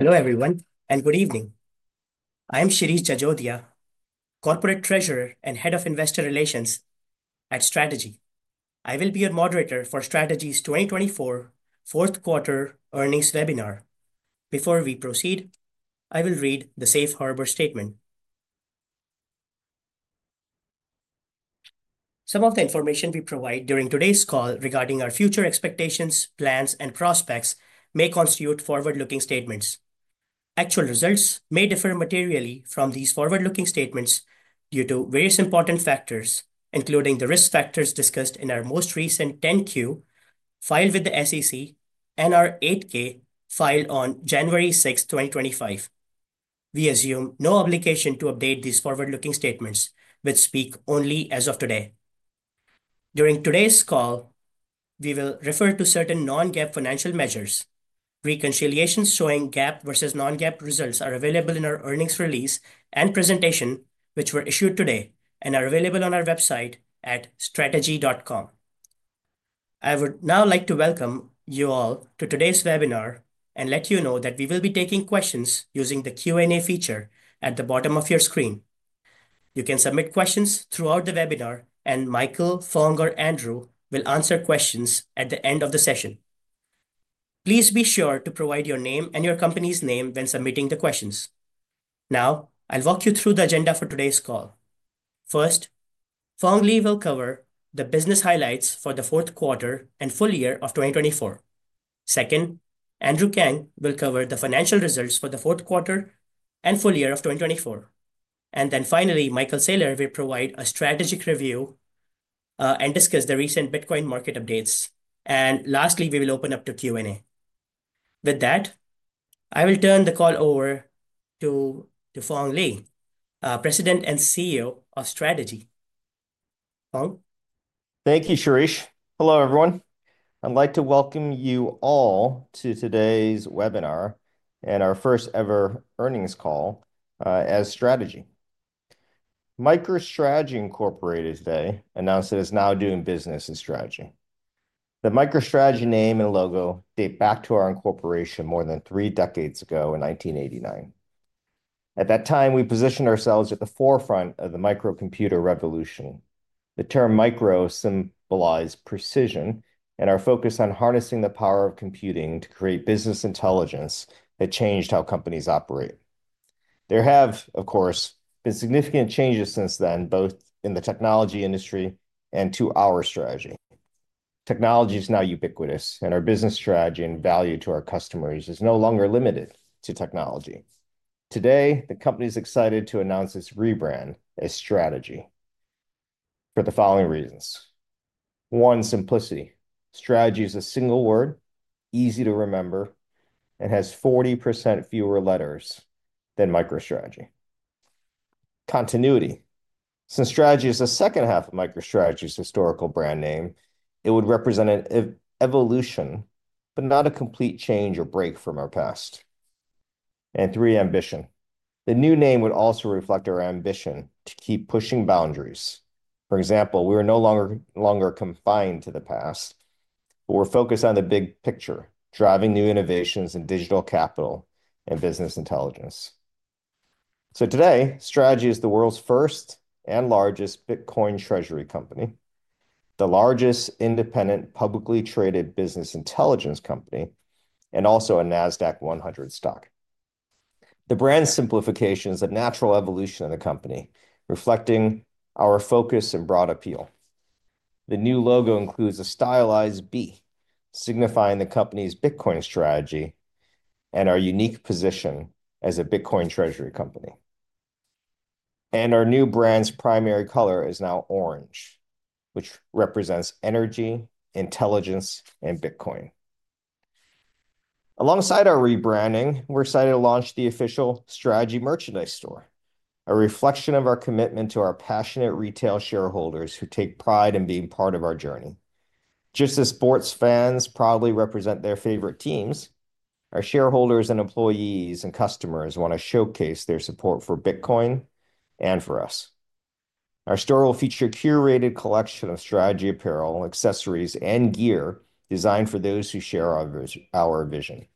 Hello everyone, and good evening. I am Shirish Jajodia, Corporate Treasurer and Head of Investor Relations at Strategy. I will be your moderator for Strategy's 2024 4th Quarter Earnings Webinar. Before we proceed, I will read the Safe Harbor Statement. Some of the information we provide during today's call regarding our future expectations, plans, and prospects may constitute forward-looking statements. Actual results may differ materially from these forward-looking statements due to various important factors, including the risk factors discussed in our most recent 10-Q filed with the SEC and our 8-K filed on January 6, 2025. We assume no obligation to update these forward-looking statements, which speak only as of today. During today's call, we will refer to certain non-GAAP financial measures. Reconciliations showing GAAP versus non-GAAP results are available in our earnings release and presentation, which were issued today and are available on our website at strategy.com. I would now like to welcome you all to today's webinar and let you know that we will be taking questions using the Q&A feature at the bottom of your screen. You can submit questions throughout the webinar, and Michael, Phong, or Andrew will answer questions at the end of the session. Please be sure to provide your name and your company's name when submitting the questions. Now, I'll walk you through the agenda for today's call. First, Phong Lee will cover the business highlights for the fourth quarter and full year of 2024. Second, Andrew Kang will cover the financial results for the fourth quarter and full year of 2024. And then finally, Michael Saylor will provide a strategic review and discuss the recent Bitcoin market updates. And lastly, we will open up to Q&A. With that, I will turn the call over to Phong Lee, President and CEO of Strategy. Phong. Thank you, Shirish. Hello, everyone. I'd like to welcome you all to today's webinar and our first-ever earnings call as Strategy. MicroStrategy Incorporated today announced that it's now doing business as Strategy. The MicroStrategy name and logo date back to our incorporation more than three decades ago in 1989. At that time, we positioned ourselves at the forefront of the microcomputer revolution. The term micro symbolized precision and our focus on harnessing the power of computing to create business intelligence that changed how companies operate. There have, of course, been significant changes since then, both in the technology industry and to our strategy. Technology is now ubiquitous, and our business strategy and value to our customers is no longer limited to technology. Today, the company is excited to announce its rebrand as Strategy for the following reasons. One, simplicity. Strategy is a single word, easy to remember, and has 40% fewer letters than MicroStrategy. Continuity. Since Strategy is the second half of MicroStrategy's historical brand name, it would represent an evolution, but not a complete change or break from our past. And three, ambition. The new name would also reflect our ambition to keep pushing boundaries. For example, we are no longer confined to the past, but we're focused on the big picture, driving new innovations in digital capital and business intelligence. So today, Strategy is the world's first and largest Bitcoin treasury company, the largest independent publicly traded business intelligence company, and also a Nasdaq-100 stock. The brand simplification is a natural evolution of the company, reflecting our focus and broad appeal. The new logo includes a stylized B, signifying the company's Bitcoin strategy and our unique position as a Bitcoin treasury company. Our new brand's primary color is now orange, which represents energy, intelligence, and Bitcoin. Alongside our rebranding, we're excited to launch the official Strategy merchandise store, a reflection of our commitment to our passionate retail shareholders who take pride in being part of our journey. Just as sports fans proudly represent their favorite teams, our shareholders and employees and customers want to showcase their support for Bitcoin and for us. Our store will feature a curated collection of Strategy apparel, accessories, and gear designed for those who share our vision.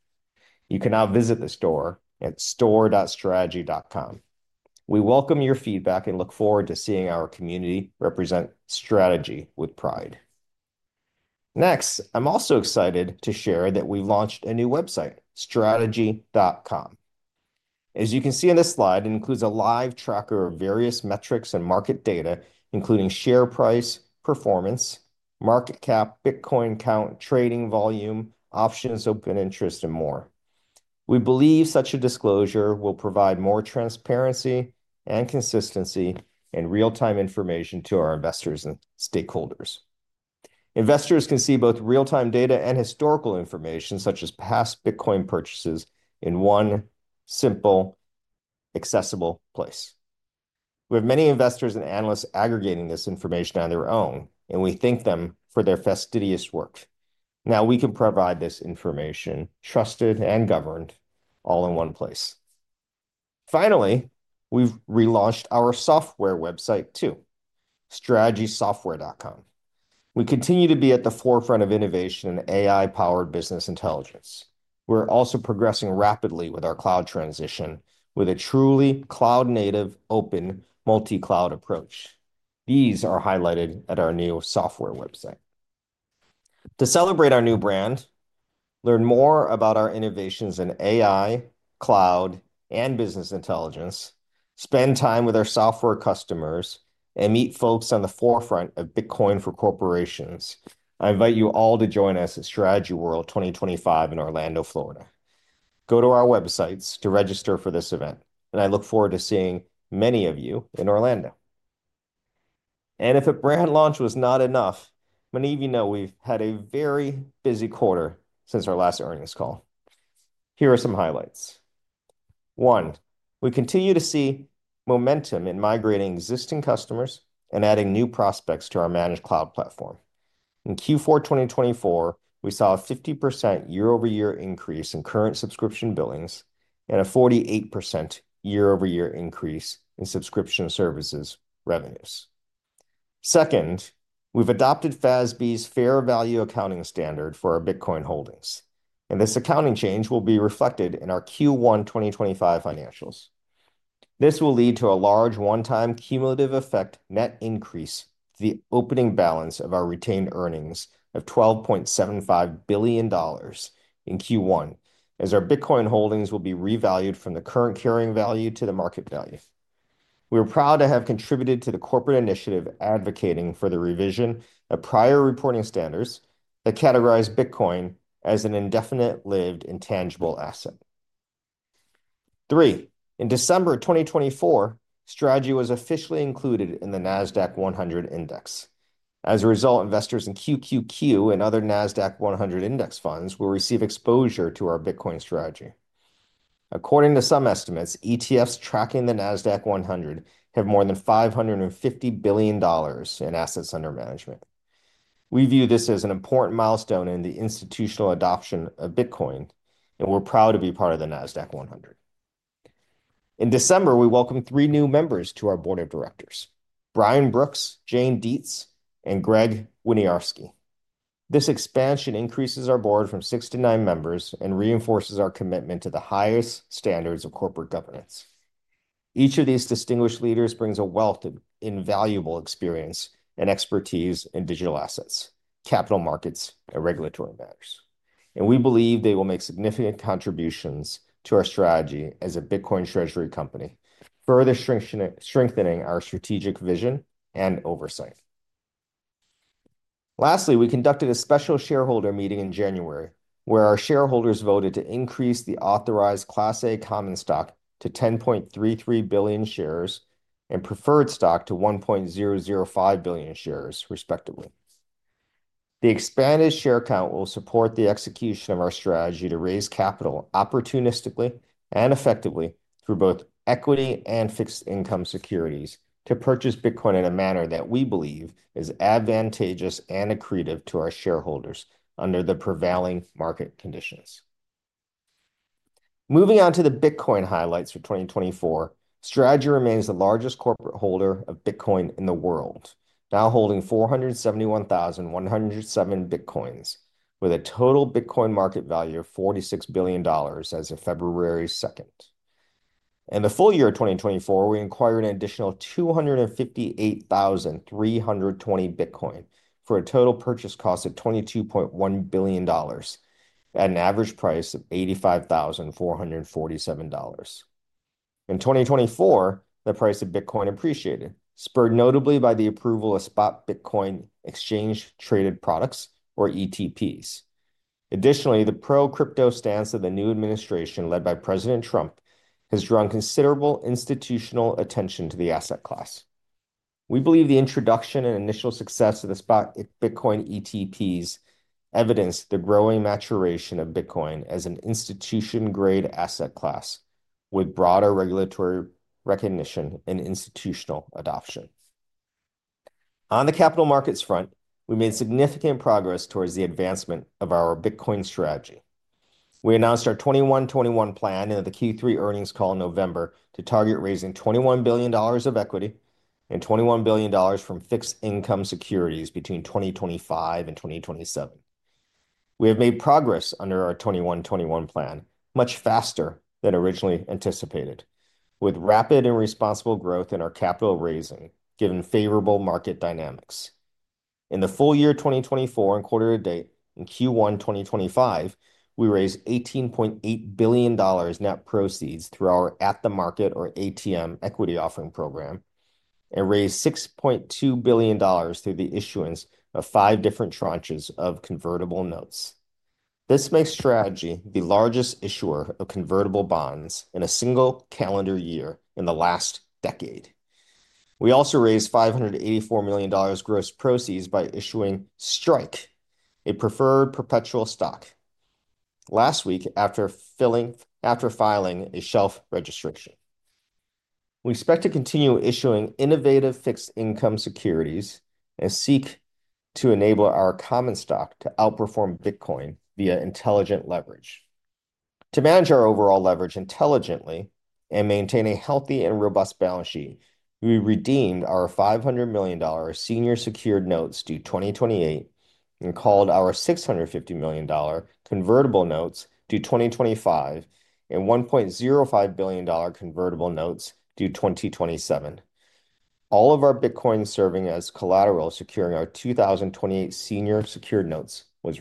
You can now visit the store at store.strategy.com. We welcome your feedback and look forward to seeing our community represent Strategy with pride. Next, I'm also excited to share that we've launched a new website, strategy.com. As you can see on this slide, it includes a live tracker of various metrics and market data, including share price, performance, market cap, Bitcoin count, trading volume, options open interest, and more. We believe such a disclosure will provide more transparency and consistency and real-time information to our investors and stakeholders. Investors can see both real-time data and historical information, such as past Bitcoin purchases, in one simple, accessible place. We have many investors and analysts aggregating this information on their own, and we thank them for their fastidious work. Now we can provide this information trusted and governed all in one place. Finally, we've relaunched our software website too, strategysoftware.com. We continue to be at the forefront of innovation and AI-powered business intelligence. We're also progressing rapidly with our cloud transition, with a truly cloud-native open multi-cloud approach. These are highlighted at our new software website. To celebrate our new brand, learn more about our innovations in AI, cloud, and business intelligence, spend time with our software customers, and meet folks on the forefront of Bitcoin for corporations. I invite you all to join us at Strategy World 2025 in Orlando, Florida. Go to our websites to register for this event, and I look forward to seeing many of you in Orlando. If a brand launch was not enough, I'm going to let you know we've had a very busy quarter since our last earnings call. Here are some highlights. One, we continue to see momentum in migrating existing customers and adding new prospects to our managed cloud platform. In Q4 2024, we saw a 50% year-over-year increase in current subscription billings and a 48% year-over-year increase in subscription services revenues. Second, we've adopted FASB's fair value accounting standard for our Bitcoin holdings, and this accounting change will be reflected in our Q1 2025 financials. This will lead to a large one-time cumulative effect net increase to the opening balance of our retained earnings of $12.75 billion in Q1, as our Bitcoin holdings will be revalued from the current carrying value to the market value. We are proud to have contributed to the corporate initiative advocating for the revision of prior reporting standards that categorize Bitcoin as an indefinite lived intangible asset. Three, in December 2024, Strategy was officially included in the Nasdaq-100 index. As a result, investors in QQQ and other Nasdaq-100 index funds will receive exposure to our Bitcoin strategy. According to some estimates, ETFs tracking the Nasdaq-100 have more than $550 billion in assets under management. We view this as an important milestone in the institutional adoption of Bitcoin, and we're proud to be part of the Nasdaq-100. In December, we welcomed three new members to our board of directors: Brian Brooks, Jeanine Deitz, and Greg Winiarski. This expansion increases our board from six to nine members and reinforces our commitment to the highest standards of corporate governance. Each of these distinguished leaders brings a wealth of invaluable experience and expertise in digital assets, capital markets, and regulatory matters. And we believe they will make significant contributions to our strategy as a Bitcoin treasury company, further strengthening our strategic vision and oversight. Lastly, we conducted a special shareholder meeting in January where our shareholders voted to increase the authorized Class A common stock to 10.33 billion shares and preferred stock to 1.005 billion shares, respectively. The expanded share count will support the execution of our strategy to raise capital opportunistically and effectively through both equity and fixed income securities to purchase Bitcoin in a manner that we believe is advantageous and accretive to our shareholders under the prevailing market conditions. Moving on to the Bitcoin highlights for 2024, Strategy remains the largest corporate holder of Bitcoin in the world, now holding 471,107 Bitcoins, with a total Bitcoin market value of $46 billion as of February 2nd. In the full year of 2024, we acquired an additional 258,320 Bitcoin for a total purchase cost of $22.1 billion at an average price of $85,447. In 2024, the price of Bitcoin appreciated, spurred notably by the approval of spot Bitcoin exchange-traded products, or ETPs. Additionally, the pro-crypto stance of the new administration led by President Trump has drawn considerable institutional attention to the asset class. We believe the introduction and initial success of the spot Bitcoin ETPs evidence the growing maturation of Bitcoin as an institutional-grade asset class with broader regulatory recognition and institutional adoption. On the capital markets front, we made significant progress towards the advancement of our Bitcoin strategy. We announced our 21/21 Plan in the Q3 earnings call in November to target raising $21 billion of equity and $21 billion from fixed income securities between 2025 and 2027. We have made progress under our 21/21 Plan much faster than originally anticipated, with rapid and responsible growth in our capital raising given favorable market dynamics. In the full year 2024 and quarter to date, in Q1 2025, we raised $18.8 billion net proceeds through our At the Market, or ATM, equity offering program and raised $6.2 billion through the issuance of five different tranches of convertible notes. This makes Strategy the largest issuer of convertible bonds in a single calendar year in the last decade. We also raised $584 million gross proceeds by issuing STRIKE, a preferred perpetual stock, last week after filing a shelf registration. We expect to continue issuing innovative fixed income securities and seek to enable our common stock to outperform Bitcoin via intelligent leverage. To manage our overall leverage intelligently and maintain a healthy and robust balance sheet, we redeemed our $500 million senior secured notes due 2028 and called our $650 million convertible notes due 2025 and $1.05 billion convertible notes due 2027. All of our Bitcoin serving as collateral securing our 2028 senior secured notes was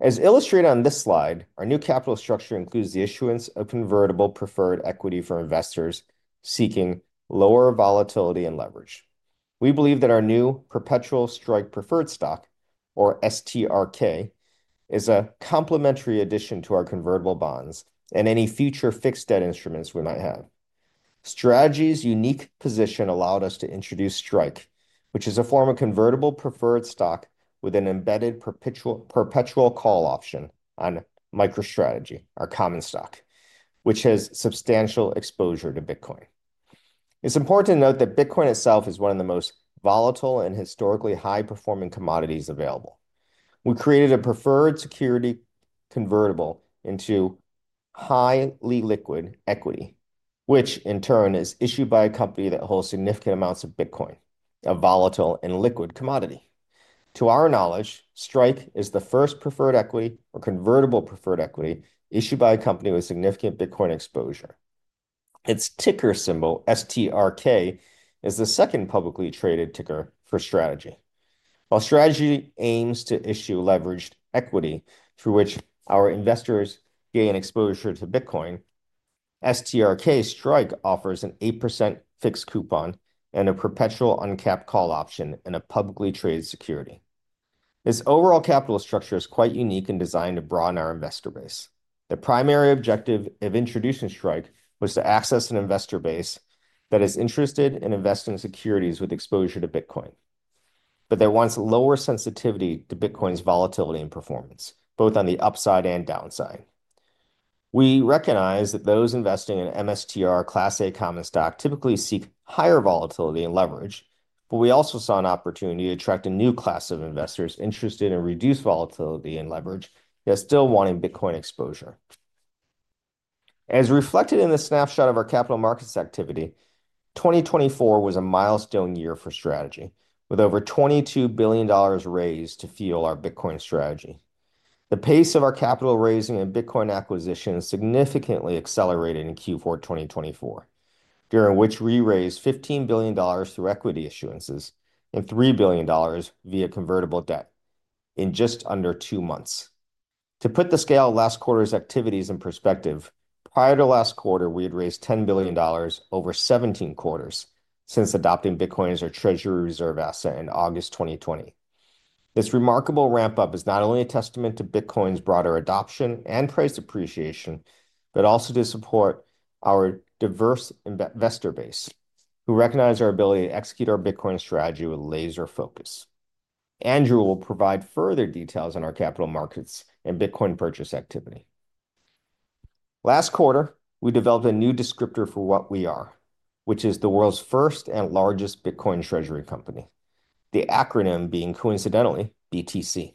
released. As illustrated on this slide, our new capital structure includes the issuance of convertible preferred equity for investors seeking lower volatility and leverage. We believe that our new perpetual STRIKE preferred stock, or STRK, is a complementary addition to our convertible bonds and any future fixed debt instruments we might have. Strategy's unique position allowed us to introduce STRIKE, which is a form of convertible preferred stock with an embedded perpetual call option on MicroStrategy, our common stock, which has substantial exposure to Bitcoin. It's important to note that Bitcoin itself is one of the most volatile and historically high-performing commodities available. We created a preferred security convertible into highly liquid equity, which in turn is issued by a company that holds significant amounts of Bitcoin, a volatile and liquid commodity. To our knowledge, STRIKE is the first preferred equity or convertible preferred equity issued by a company with significant Bitcoin exposure. Its ticker symbol, STRK, is the second publicly traded ticker for Strategy. While Strategy aims to issue leveraged equity through which our investors gain exposure to Bitcoin, STRK STRIKE offers an 8% fixed coupon and a perpetual uncapped call option and a publicly traded security. This overall capital structure is quite unique and designed to broaden our investor base. The primary objective of introducing STRIKE was to access an investor base that is interested in investing in securities with exposure to Bitcoin, but that wants lower sensitivity to Bitcoin's volatility and performance, both on the upside and downside. We recognize that those investing in MSTR Class A common stock typically seek higher volatility and leverage, but we also saw an opportunity to attract a new class of investors interested in reduced volatility and leverage that are still wanting Bitcoin exposure. As reflected in the snapshot of our capital markets activity, 2024 was a milestone year for Strategy, with over $22 billion raised to fuel our Bitcoin strategy. The pace of our capital raising and Bitcoin acquisition significantly accelerated in Q4 2024, during which we raised $15 billion through equity issuances and $3 billion via convertible debt in just under two months. To put the scale of last quarter's activities in perspective, prior to last quarter, we had raised $10 billion over 17 quarters since adopting Bitcoin as our treasury reserve asset in August 2020. This remarkable ramp-up is not only a testament to Bitcoin's broader adoption and price appreciation, but also to support our diverse investor base who recognize our ability to execute our Bitcoin strategy with laser focus. Andrew will provide further details on our capital markets and Bitcoin purchase activity. Last quarter, we developed a new descriptor for what we are, which is the world's first and largest Bitcoin treasury company, the acronym being coincidentally BTC.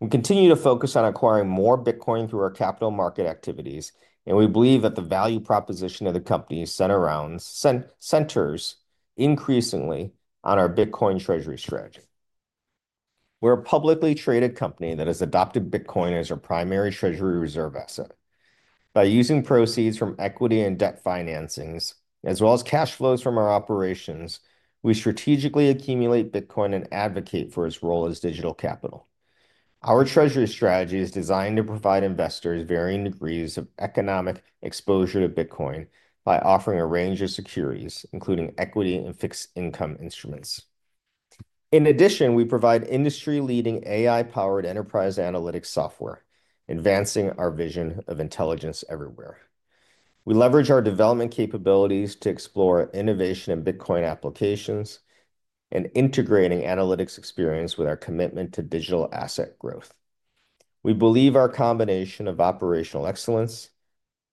We continue to focus on acquiring more Bitcoin through our capital market activities, and we believe that the value proposition of the company centers increasingly on our Bitcoin treasury strategy. We're a publicly traded company that has adopted Bitcoin as our primary treasury reserve asset. By using proceeds from equity and debt financings, as well as cash flows from our operations, we strategically accumulate Bitcoin and advocate for its role as digital capital. Our treasury strategy is designed to provide investors varying degrees of economic exposure to Bitcoin by offering a range of securities, including equity and fixed income instruments. In addition, we provide industry-leading AI-powered enterprise analytics software, advancing our vision of intelligence everywhere. We leverage our development capabilities to explore innovation in Bitcoin applications and integrating analytics experience with our commitment to digital asset growth. We believe our combination of operational excellence,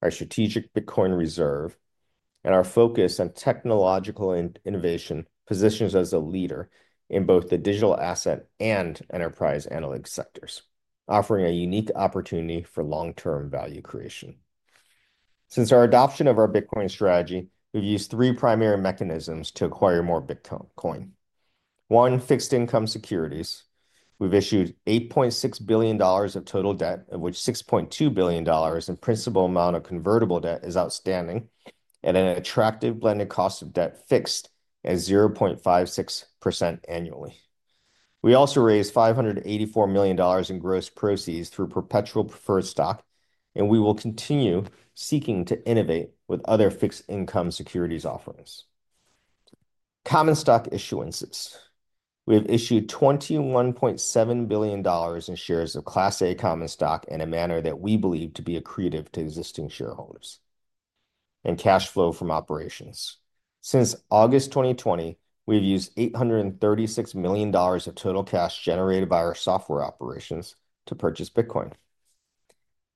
our strategic Bitcoin reserve, and our focus on technological innovation positions us as a leader in both the digital asset and enterprise analytics sectors, offering a unique opportunity for long-term value creation. Since our adoption of our Bitcoin strategy, we've used three primary mechanisms to acquire more Bitcoin. One, fixed income securities. We've issued $8.6 billion of total debt, of which $6.2 billion in principal amount of convertible debt is outstanding at an attractive blended cost of debt fixed at 0.56% annually. We also raised $584 million in gross proceeds through perpetual preferred stock, and we will continue seeking to innovate with other fixed income securities offerings. Common stock issuances. We have issued $21.7 billion in shares of Class A common stock in a manner that we believe to be accretive to existing shareholders and cash flow from operations. Since August 2020, we've used $836 million of total cash generated by our software operations to purchase Bitcoin.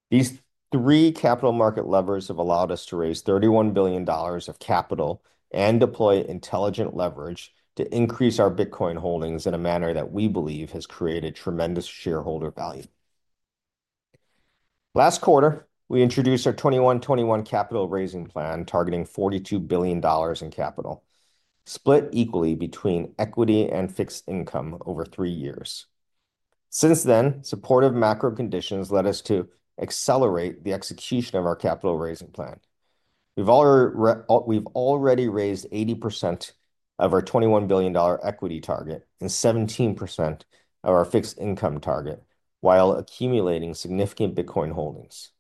These three capital market levers have allowed us to raise $31 billion of capital and deploy intelligent leverage to increase our Bitcoin holdings in a manner that we believe has created tremendous shareholder value. Last quarter, we introduced our 21/21 capital raising plan targeting $42 billion in capital, split equally between equity and fixed income over three years. Since then, supportive macro conditions led us to accelerate the execution of our capital raising plan. We've already raised 80% of our $21 billion equity target and 17% of our fixed income target, while accumulating significant Bitcoin holdings.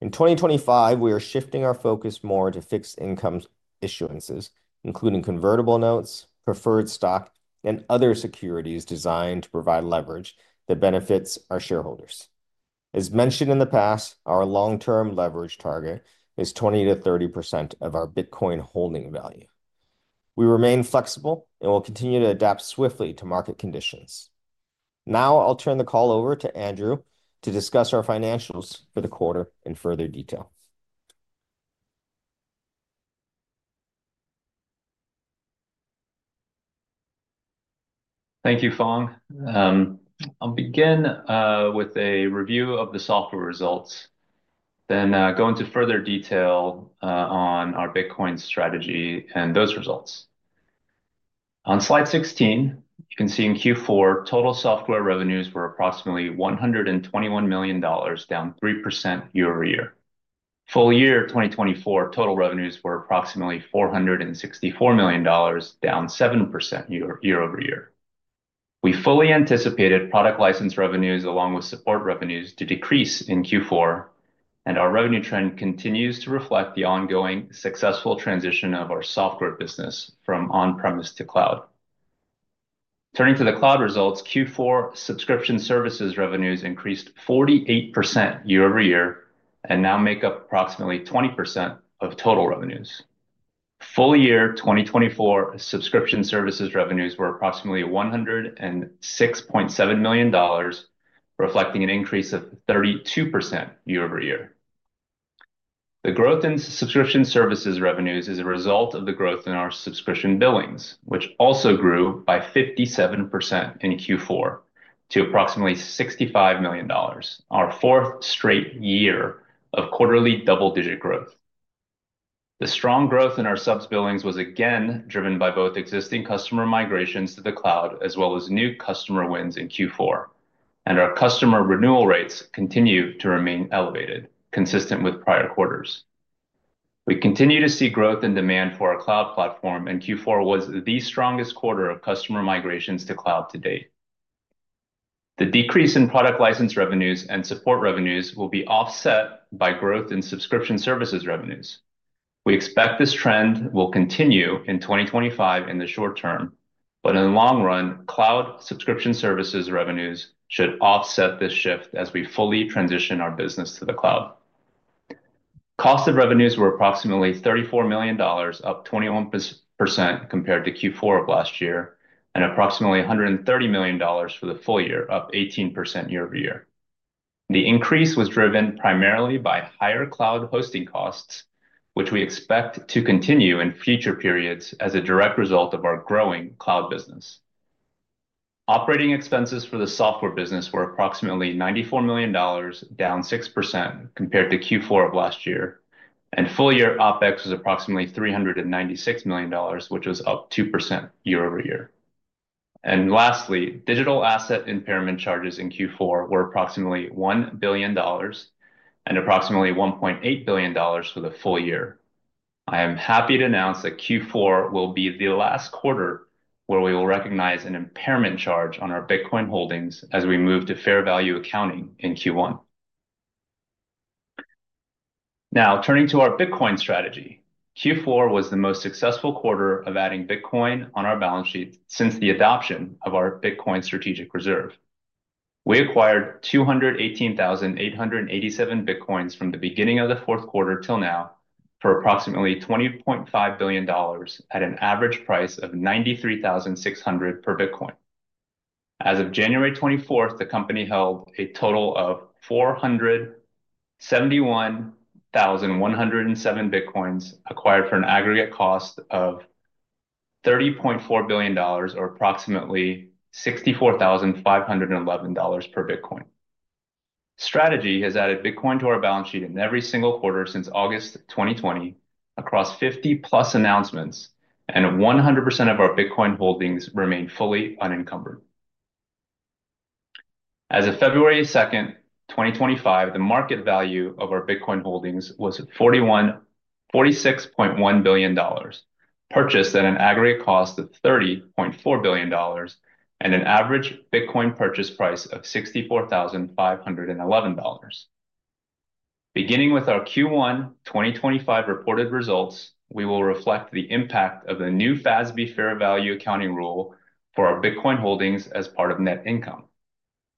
In 2025, we are shifting our focus more to fixed income issuances, including convertible notes, preferred stock, and other securities designed to provide leverage that benefits our shareholders. As mentioned in the past, our long-term leverage target is 20%-30% of our Bitcoin holding value. We remain flexible and will continue to adapt swiftly to market conditions. Now I'll turn the call over to Andrew to discuss our financials for the quarter in further detail. Thank you, Phong. I'll begin with a review of the software results, then go into further detail on our Bitcoin strategy and those results. On slide 16, you can see in Q4 total software revenues were approximately $121 million, down 3% year over year. Full year 2024 total revenues were approximately $464 million, down 7% year over year. We fully anticipated product license revenues along with support revenues to decrease in Q4, and our revenue trend continues to reflect the ongoing successful transition of our software business from on-premise to cloud. Turning to the cloud results, Q4 subscription services revenues increased 48% year over year and now make up approximately 20% of total revenues. Full year 2024 subscription services revenues were approximately $106.7 million, reflecting an increase of 32% year over year. The growth in subscription services revenues is a result of the growth in our subscription billings, which also grew by 57% in Q4 to approximately $65 million, our fourth straight year of quarterly double-digit growth. The strong growth in our subs billings was again driven by both existing customer migrations to the cloud as well as new customer wins in Q4, and our customer renewal rates continue to remain elevated, consistent with prior quarters. We continue to see growth in demand for our cloud platform, and Q4 was the strongest quarter of customer migrations to cloud to date. The decrease in product license revenues and support revenues will be offset by growth in subscription services revenues. We expect this trend will continue in 2025 in the short term, but in the long run, cloud subscription services revenues should offset this shift as we fully transition our business to the cloud. Cost of revenues were approximately $34 million, up 21% compared to Q4 of last year, and approximately $130 million for the full year, up 18% year over year. The increase was driven primarily by higher cloud hosting costs, which we expect to continue in future periods as a direct result of our growing cloud business. Operating expenses for the software business were approximately $94 million, down 6% compared to Q4 of last year, and full year OpEx was approximately $396 million, which was up 2% year over year, and lastly, digital asset impairment charges in Q4 were approximately $1 billion and approximately $1.8 billion for the full year. I am happy to announce that Q4 will be the last quarter where we will recognize an impairment charge on our Bitcoin holdings as we move to fair value accounting in Q1. Now turning to our Bitcoin strategy, Q4 was the most successful quarter of adding Bitcoin on our balance sheet since the adoption of our Bitcoin strategic reserve. We acquired 218,887 Bitcoins from the beginning of the fourth quarter till now for approximately $20.5 billion at an average price of $93,600 per Bitcoin. As of January 24th, the company held a total of 471,107 Bitcoins acquired for an aggregate cost of $30.4 billion, or approximately $64,511 per Bitcoin. Strategy has added Bitcoin to our balance sheet in every single quarter since August 2020 across 50 plus announcements, and 100% of our Bitcoin holdings remain fully unencumbered. As of February 2nd, 2025, the market value of our Bitcoin holdings was $46.1 billion, purchased at an aggregate cost of $30.4 billion, and an average Bitcoin purchase price of $64,511. Beginning with our Q1 2025 reported results, we will reflect the impact of the new FASB fair value accounting rule for our Bitcoin holdings as part of net income.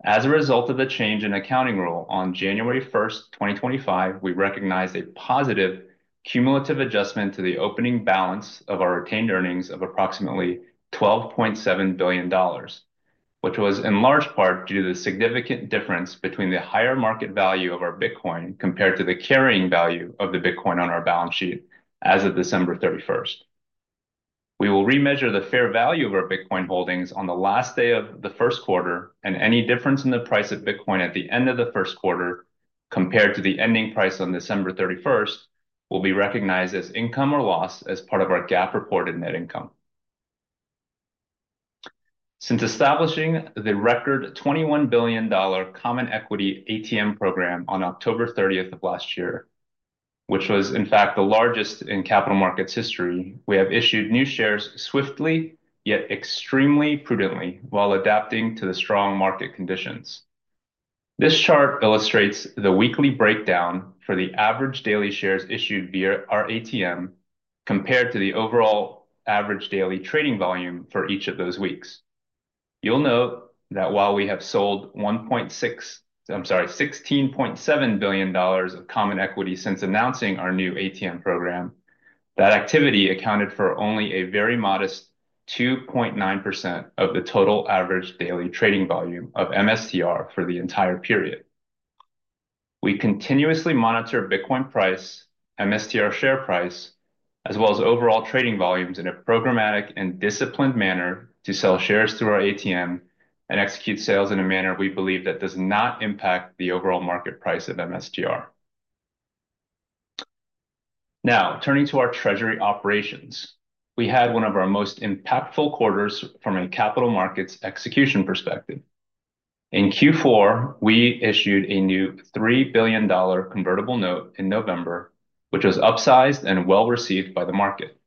As a result of the change in accounting rule on January 1st, 2025, we recognize a positive cumulative adjustment to the opening balance of our retained earnings of approximately $12.7 billion, which was in large part due to the significant difference between the higher market value of our Bitcoin compared to the carrying value of the Bitcoin on our balance sheet as of December 31st. We will remeasure the fair value of our Bitcoin holdings on the last day of the first quarter, and any difference in the price of Bitcoin at the end of the first quarter compared to the ending price on December 31st will be recognized as income or loss as part of our GAAP reported net income. Since establishing the record $21 billion common equity ATM program on October 30th of last year, which was in fact the largest in capital markets history, we have issued new shares swiftly yet extremely prudently while adapting to the strong market conditions. This chart illustrates the weekly breakdown for the average daily shares issued via our ATM compared to the overall average daily trading volume for each of those weeks. You'll note that while we have sold $1.6, I'm sorry, $16.7 billion of common equity since announcing our new ATM program, that activity accounted for only a very modest 2.9% of the total average daily trading volume of MSTR for the entire period. We continuously monitor Bitcoin price, MSTR share price, as well as overall trading volumes in a programmatic and disciplined manner to sell shares through our ATM and execute sales in a manner we believe that does not impact the overall market price of MSTR. Now turning to our treasury operations, we had one of our most impactful quarters from a capital markets execution perspective. In Q4, we issued a new $3 billion convertible note in November, which was upsized and well received by the market.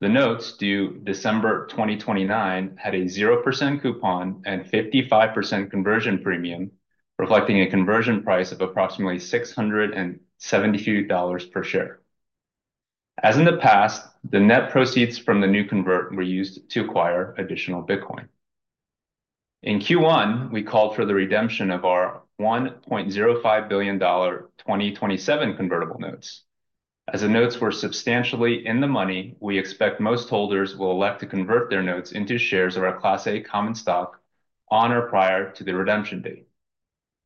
The notes due December 2029 had a 0% coupon and 55% conversion premium, reflecting a conversion price of approximately $672 per share. As in the past, the net proceeds from the new convert were used to acquire additional Bitcoin. In Q1, we called for the redemption of our $1.05 billion 2027 convertible notes. As the notes were substantially in the money, we expect most holders will elect to convert their notes into shares of our Class A Common Stock on or prior to the redemption date.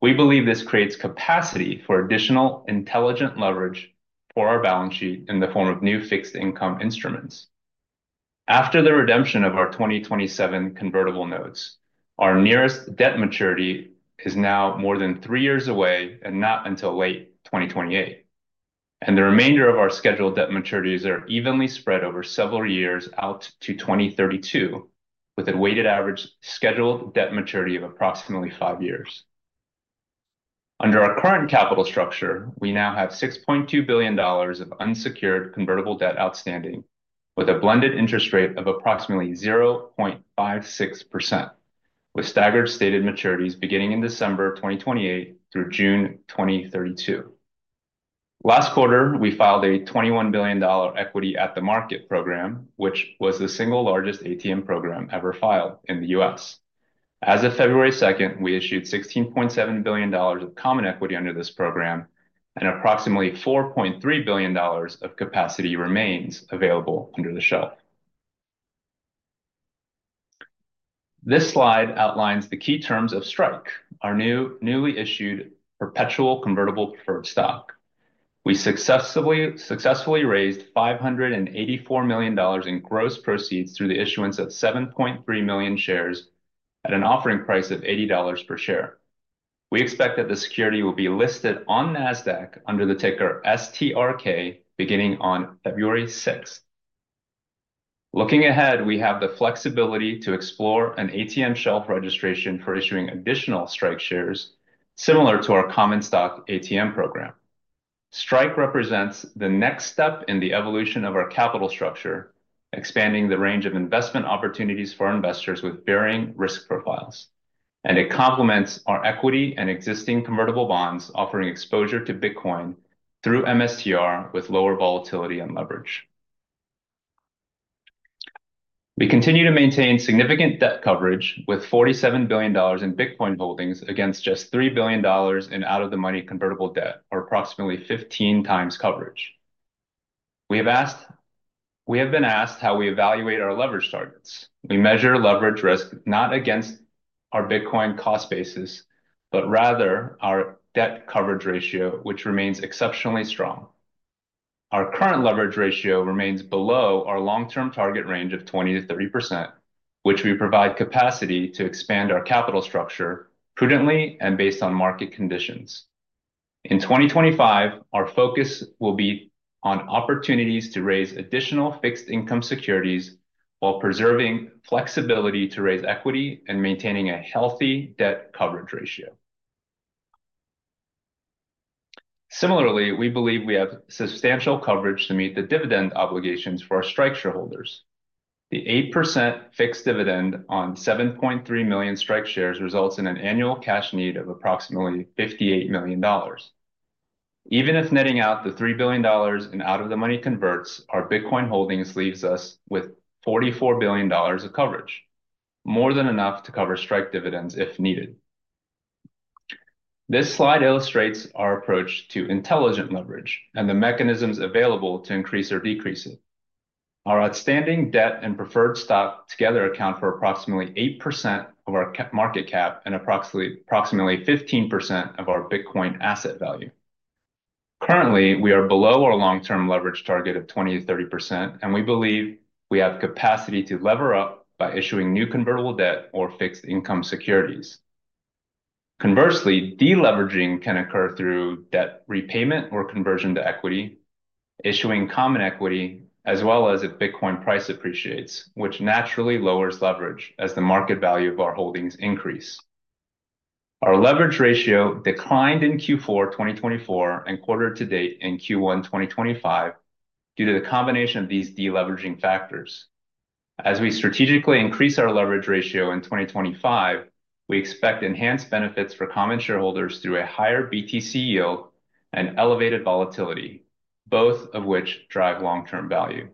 We believe this creates capacity for additional Intelligent Leverage for our balance sheet in the form of new fixed income instruments. After the redemption of our 2027 convertible notes, our nearest debt maturity is now more than three years away and not until late 2028, and the remainder of our scheduled debt maturities are evenly spread over several years out to 2032, with a weighted average scheduled debt maturity of approximately five years. Under our current capital structure, we now have $6.2 billion of unsecured convertible debt outstanding with a blended interest rate of approximately 0.56%, with staggered stated maturities beginning in December 2028 through June 2032. Last quarter, we filed a $21 billion equity at the market program, which was the single largest ATM program ever filed in the U.S. As of February 2nd, we issued $16.7 billion of common equity under this program, and approximately $4.3 billion of capacity remains available under the shelf. This slide outlines the key terms of STRIKE, our newly issued perpetual convertible preferred stock. We successfully raised $584 million in gross proceeds through the issuance of 7.3 million shares at an offering price of $80 per share. We expect that the security will be listed on NASDAQ under the ticker STRK beginning on February 6th. Looking ahead, we have the flexibility to explore an ATM shelf registration for issuing additional STRIKE shares similar to our common stock ATM program. STRIKE represents the next step in the evolution of our capital structure, expanding the range of investment opportunities for investors with varying risk profiles. It complements our equity and existing convertible bonds, offering exposure to Bitcoin through MSTR with lower volatility and leverage. We continue to maintain significant debt coverage with $47 billion in Bitcoin holdings against just $3 billion in out-of-the-money convertible debt, or approximately 15 times coverage. We have been asked how we evaluate our leverage targets. We measure leverage risk not against our Bitcoin cost basis, but rather our debt coverage ratio, which remains exceptionally strong. Our current leverage ratio remains below our long-term target range of 20%-30%, which we provide capacity to expand our capital structure prudently and based on market conditions. In 2025, our focus will be on opportunities to raise additional fixed income securities while preserving flexibility to raise equity and maintaining a healthy debt coverage ratio. Similarly, we believe we have substantial coverage to meet the dividend obligations for our STRIKE shareholders. The 8% fixed dividend on 7.3 million STRIKE shares results in an annual cash need of approximately $58 million. Even if netting out the $3 billion in out-of-the-money converts, our Bitcoin holdings leaves us with $44 billion of coverage, more than enough to cover STRIKE dividends if needed. This slide illustrates our approach to Intelligent Leverage and the mechanisms available to increase or decrease it. Our outstanding debt and preferred stock together account for approximately 8% of our market cap and approximately 15% of our Bitcoin asset value. Currently, we are below our long-term leverage target of 20%-30%, and we believe we have capacity to lever up by issuing new convertible debt or fixed income securities. Conversely, deleveraging can occur through debt repayment or conversion to equity, issuing common equity, as well as if Bitcoin price appreciates, which naturally lowers leverage as the market value of our holdings increase. Our leverage ratio declined in Q4 2024 and year-to-date in Q1 2025 due to the combination of these deleveraging factors. As we strategically increase our leverage ratio in 2025, we expect enhanced benefits for common shareholders through a higher BTC Yield and elevated volatility, both of which drive long-term value.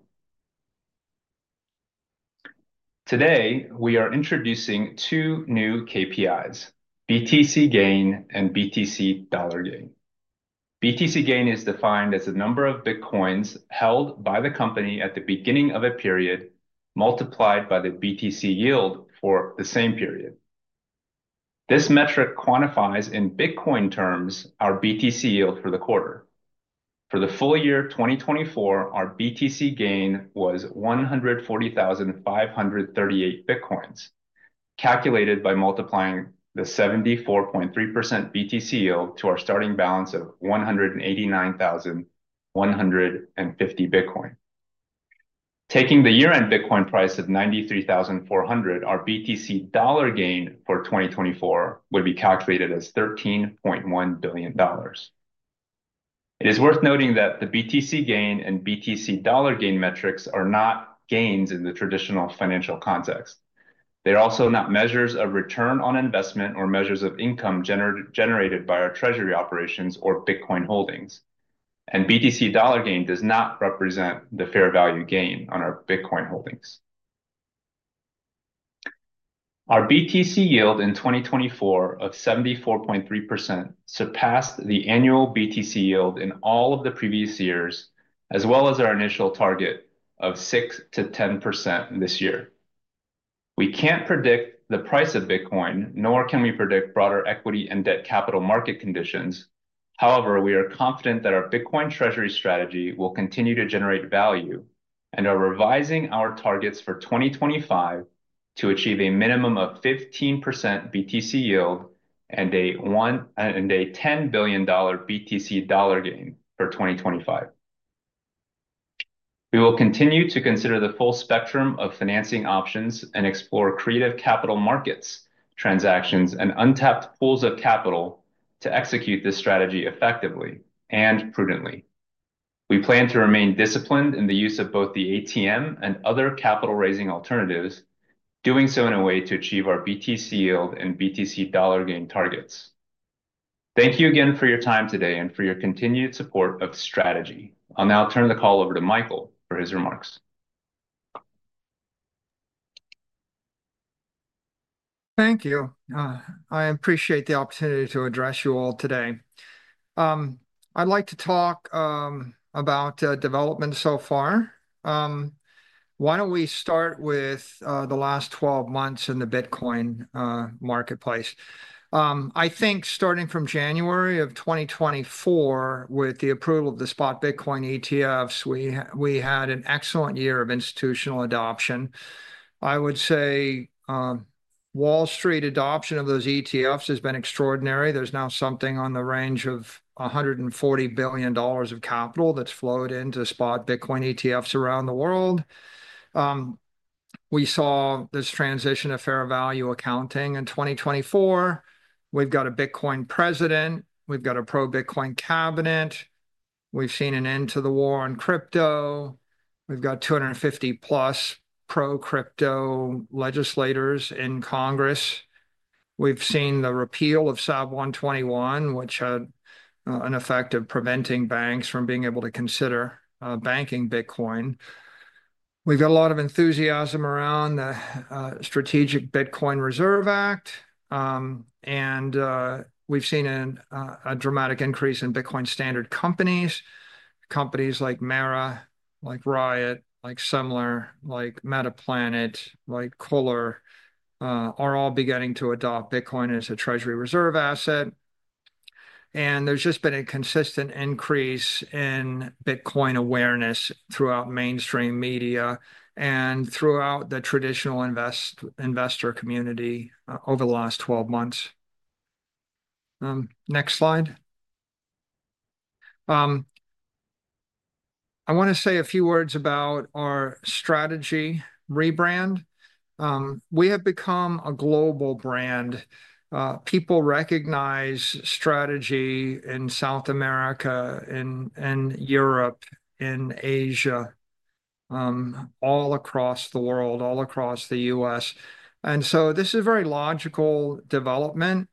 Today, we are introducing two new KPIs: BTC Gain and BTC Dollar Gain. BTC Gain is defined as the number of Bitcoins held by the company at the beginning of a period multiplied by the BTC Yield for the same period. This metric quantifies in Bitcoin terms our BTC Yield for the quarter. For the full year 2024, our BTC Gain was 140,538 Bitcoins, calculated by multiplying the 74.3% BTC Yield to our starting balance of 189,150 Bitcoin. Taking the year-end Bitcoin price of $93,400, our BTC Dollar Gain for 2024 would be calculated as $13.1 billion. It is worth noting that the BTC Gain and BTC Dollar Gain metrics are not gains in the traditional financial context. They are also not measures of return on investment or measures of income generated by our treasury operations or Bitcoin holdings. BTC Dollar Gain does not represent the fair value gain on our Bitcoin holdings. Our BTC Yield in 2024 of 74.3% surpassed the annual BTC Yield in all of the previous years, as well as our initial target of 6%-10% this year. We can't predict the price of Bitcoin, nor can we predict broader equity and debt capital market conditions. However, we are confident that our Bitcoin treasury strategy will continue to generate value, and are revising our targets for 2025 to achieve a minimum of 15% BTC Yield and a $10 billion BTC Dollar Gain for 2025. We will continue to consider the full spectrum of financing options and explore creative capital markets transactions and untapped pools of capital to execute this strategy effectively and prudently. We plan to remain disciplined in the use of both the ATM and other capital raising alternatives, doing so in a way to achieve our BTC Yield and BTC Dollar Gain targets. Thank you again for your time today and for your continued support of Strategy. I'll now turn the call over to Michael for his remarks. Thank you. I appreciate the opportunity to address you all today. I'd like to talk about developments so far. Why don't we start with the last 12 months in the Bitcoin marketplace? I think starting from January of 2024, with the approval of the spot Bitcoin ETFs, we had an excellent year of institutional adoption. I would say Wall Street adoption of those ETFs has been extraordinary. There's now something on the range of $140 billion of capital that's flowed into spot Bitcoin ETFs around the world. We saw this transition to fair value accounting in 2024. We've got a Bitcoin president. We've got a pro-Bitcoin cabinet. We've seen an end to the war on crypto. We've got 250-plus pro-crypto legislators in Congress. We've seen the repeal of SAB 121, which had an effect of preventing banks from being able to consider banking Bitcoin. We've got a lot of enthusiasm around the Strategic Bitcoin Reserve Act. And we've seen a dramatic increase in Bitcoin standard companies. Companies like Marathon, like Riot, like Semler, like Metaplanet, like KULR are all beginning to adopt Bitcoin as a treasury reserve asset. And there's just been a consistent increase in Bitcoin awareness throughout mainstream media and throughout the traditional investor community over the last 12 months. Next slide. I want to say a few words about our Strategy rebrand. We have become a global brand. People recognize Strategy in South America, in Europe, in Asia, all across the world, all across the U.S. And so this is a very logical development.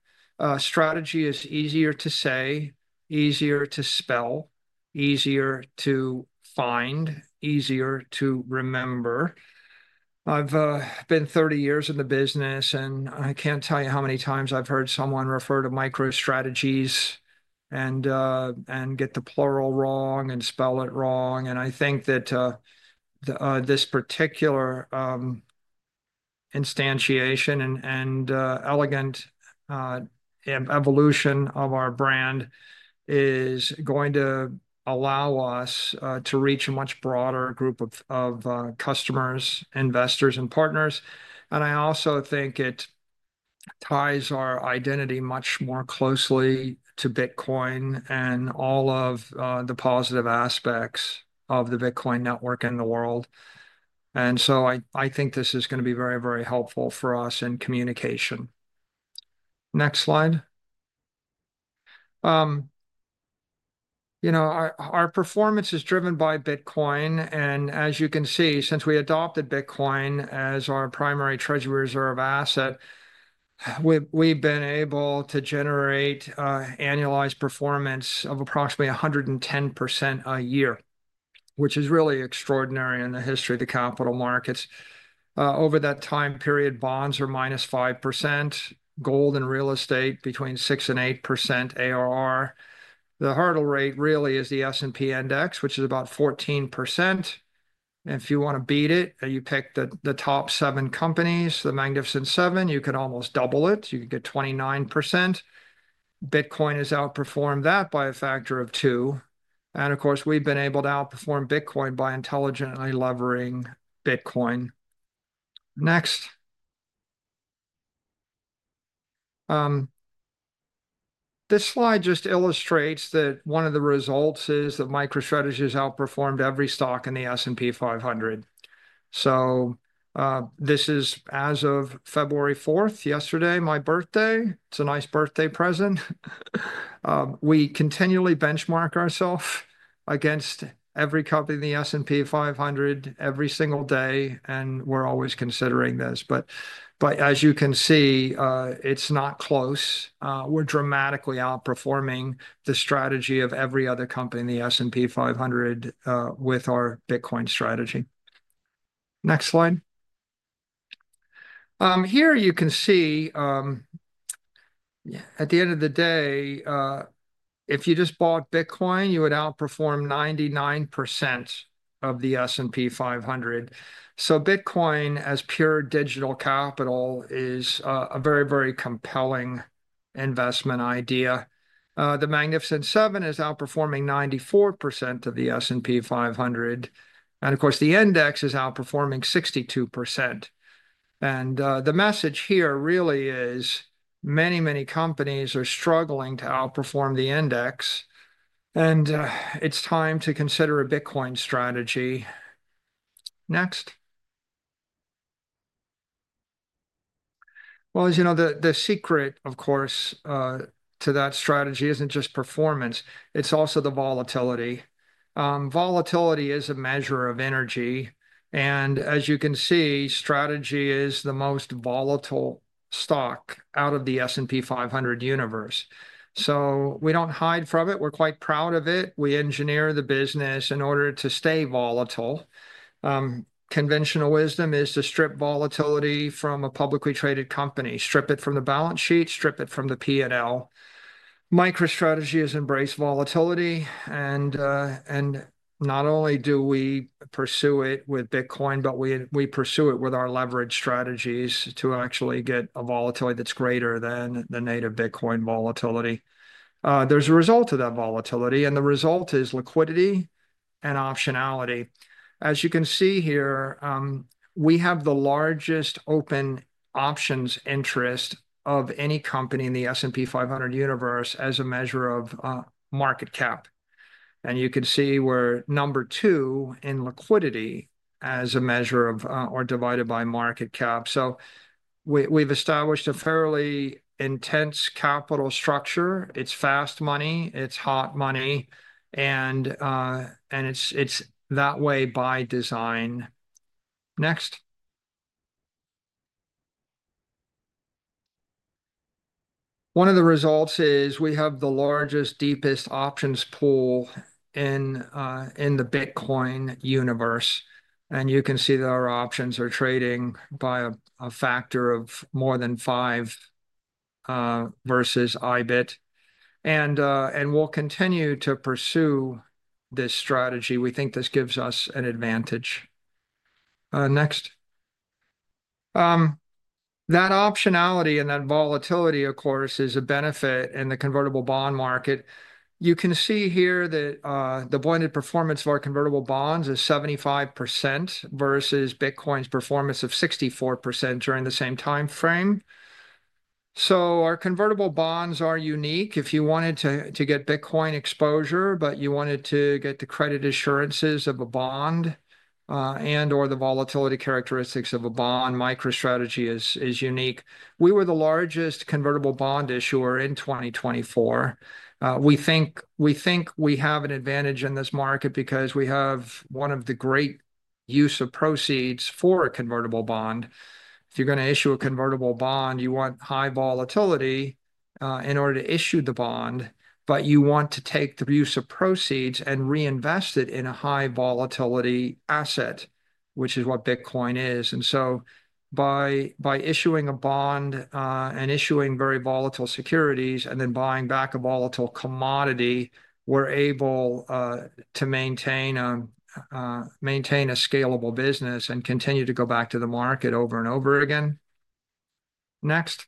Strategy is easier to say, easier to spell, easier to find, easier to remember. I've been 30 years in the business, and I can't tell you how many times I've heard someone refer to MicroStrategy and get the plural wrong and spell it wrong. And I think that this particular instantiation and elegant evolution of our brand is going to allow us to reach a much broader group of customers, investors, and partners. And I also think it ties our identity much more closely to Bitcoin and all of the positive aspects of the Bitcoin network in the world. And so I think this is going to be very, very helpful for us in communication. Next slide. You know, our performance is driven by Bitcoin. And as you can see, since we adopted Bitcoin as our primary treasury reserve asset, we've been able to generate annualized performance of approximately 110% a year, which is really extraordinary in the history of the capital markets. Over that time period, bonds are minus 5%, gold and real estate between 6% and 8% ARR. The hurdle rate really is the S&P index, which is about 14%. And if you want to beat it, you pick the top seven companies, the Magnificent Seven. You can almost double it. You can get 29%. Bitcoin has outperformed that by a factor of two. And of course, we've been able to outperform Bitcoin by intelligently leveraging Bitcoin. Next. This slide just illustrates that one of the results is that MicroStrategy has outperformed every stock in the S&P 500. So this is as of February 4th, yesterday, my birthday. It's a nice birthday present. We continually benchmark ourselves against every company in the S&P 500 every single day, and we're always considering this. But as you can see, it's not close. We're dramatically outperforming the strategy of every other company in the S&P 500 with our Bitcoin strategy. Next slide. Here you can see at the end of the day, if you just bought Bitcoin, you would outperform 99% of the S&P 500. So Bitcoin, as pure digital capital, is a very, very compelling investment idea. The Magnificent Seven is outperforming 94% of the S&P 500. And of course, the index is outperforming 62%. And the message here really is many, many companies are struggling to outperform the index. And it's time to consider a Bitcoin strategy. Next. Well, as you know, the secret, of course, to that strategy isn't just performance. It's also the volatility. Volatility is a measure of energy. And as you can see, Strategy is the most volatile stock out of the S&P 500 universe. So we don't hide from it. We're quite proud of it. We engineer the business in order to stay volatile. Conventional wisdom is to strip volatility from a publicly traded company, strip it from the balance sheet, strip it from the P&L. MicroStrategy has embraced volatility, and not only do we pursue it with Bitcoin, but we pursue it with our leverage strategies to actually get a volatility that's greater than the native Bitcoin volatility. There's a result of that volatility, and the result is liquidity and optionality. As you can see here, we have the largest open options interest of any company in the S&P 500 universe as a measure of market cap, and you can see we're number two in liquidity as a measure of or divided by market cap, so we've established a fairly intense capital structure. It's fast money. It's hot money, and it's that way by design. Next. One of the results is we have the largest, deepest options pool in the Bitcoin universe. And you can see that our options are trading by a factor of more than five versus IBIT. And we'll continue to pursue this strategy. We think this gives us an advantage. Next. That optionality and that volatility, of course, is a benefit in the convertible bond market. You can see here that the bond performance of our convertible bonds is 75% versus Bitcoin's performance of 64% during the same time frame. So our convertible bonds are unique. If you wanted to get Bitcoin exposure, but you wanted to get the credit assurances of a bond and/or the volatility characteristics of a bond, MicroStrategy is unique. We were the largest convertible bond issuer in 2024. We think we have an advantage in this market because we have one of the great use of proceeds for a convertible bond. If you're going to issue a convertible bond, you want high volatility in order to issue the bond, but you want to take the use of proceeds and reinvest it in a high volatility asset, which is what Bitcoin is. And so by issuing a bond and issuing very volatile securities and then buying back a volatile commodity, we're able to maintain a scalable business and continue to go back to the market over and over again. Next.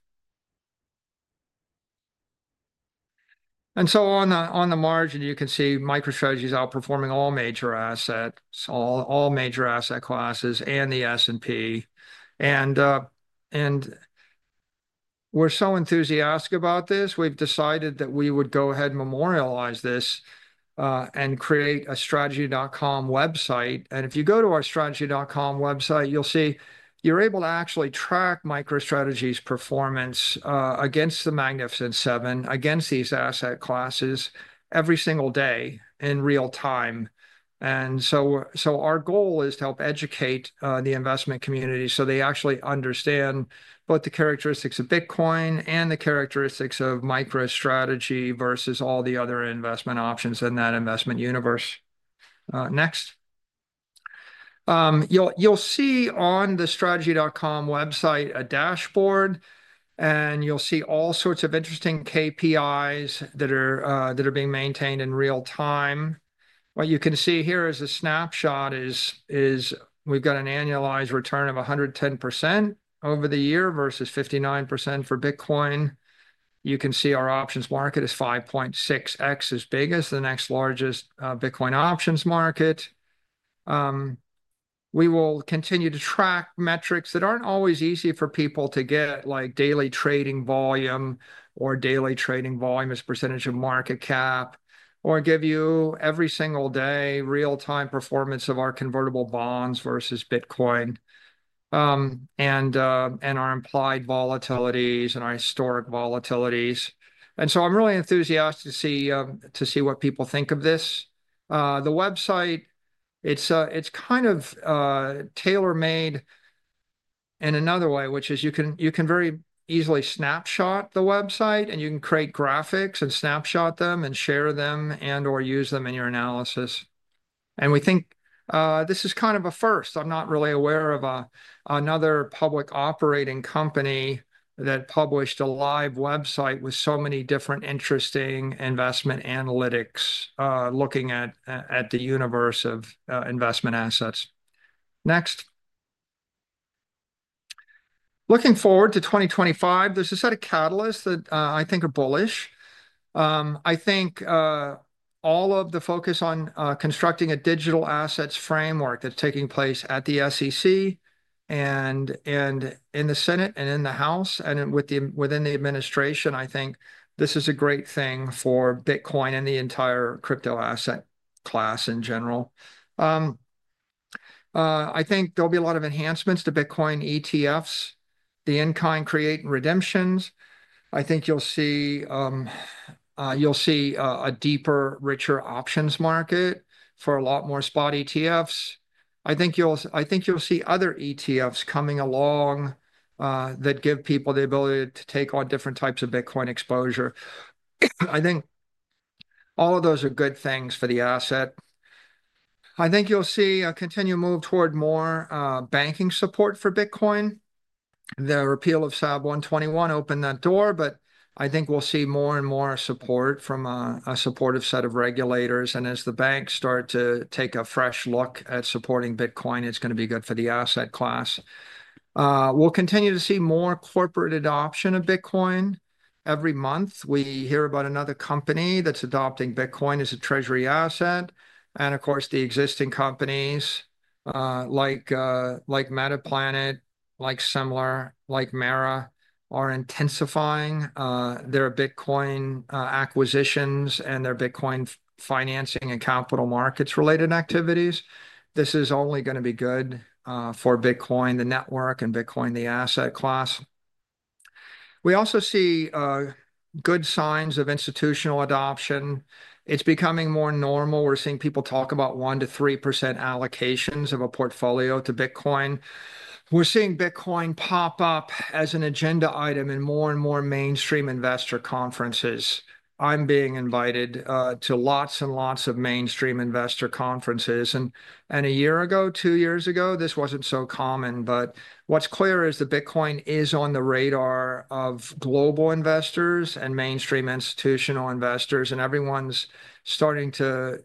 And so on the margin, you can see MicroStrategy is outperforming all major assets, all major asset classes, and the S&P. And we're so enthusiastic about this, we've decided that we would go ahead and memorialize this and create a strategy.com website. If you go to our Strategy.com website, you'll see you're able to actually track MicroStrategy's performance against the Magnificent Seven, against these asset classes every single day in real time. And so our goal is to help educate the investment community so they actually understand both the characteristics of Bitcoin and the characteristics of MicroStrategy versus all the other investment options in that investment universe. Next. You'll see on the Strategy.com website a dashboard, and you'll see all sorts of interesting KPIs that are being maintained in real time. What you can see here is a snapshot. We've got an annualized return of 110% over the year versus 59% for Bitcoin. You can see our options market is 5.6X as big as the next largest Bitcoin options market. We will continue to track metrics that aren't always easy for people to get, like daily trading volume or daily trading volume as percentage of market cap, or give you every single day real-time performance of our convertible bonds versus Bitcoin and our implied volatilities and our historic volatilities. And so I'm really enthusiastic to see what people think of this. The website, it's kind of tailor-made in another way, which is you can very easily snapshot the website, and you can create graphics and snapshot them and share them and/or use them in your analysis. And we think this is kind of a first. I'm not really aware of another public operating company that published a live website with so many different interesting investment analytics looking at the universe of investment assets. Next. Looking forward to 2025, there's a set of catalysts that I think are bullish. I think all of the focus on constructing a digital assets framework that's taking place at the SEC and in the Senate and in the House and within the administration. I think this is a great thing for Bitcoin and the entire crypto asset class in general. I think there'll be a lot of enhancements to Bitcoin ETFs, the in-kind creation redemptions. I think you'll see a deeper, richer options market for a lot more spot ETFs. I think you'll see other ETFs coming along that give people the ability to take on different types of Bitcoin exposure. I think all of those are good things for the asset. I think you'll see a continued move toward more banking support for Bitcoin. The repeal of SAB 121 opened that door, but I think we'll see more and more support from a supportive set of regulators. And as the banks start to take a fresh look at supporting Bitcoin, it's going to be good for the asset class. We'll continue to see more corporate adoption of Bitcoin. Every month, we hear about another company that's adopting Bitcoin as a treasury asset. And of course, the existing companies like Metaplanet, like Semler, like Marathon are intensifying their Bitcoin acquisitions and their Bitcoin financing and capital markets related activities. This is only going to be good for Bitcoin, the network, and Bitcoin, the asset class. We also see good signs of institutional adoption. It's becoming more normal. We're seeing people talk about 1% to 3% allocations of a portfolio to Bitcoin. We're seeing Bitcoin pop up as an agenda item in more and more mainstream investor conferences. I'm being invited to lots and lots of mainstream investor conferences. A year ago, two years ago, this wasn't so common. But what's clear is that Bitcoin is on the radar of global investors and mainstream institutional investors. Everyone's starting to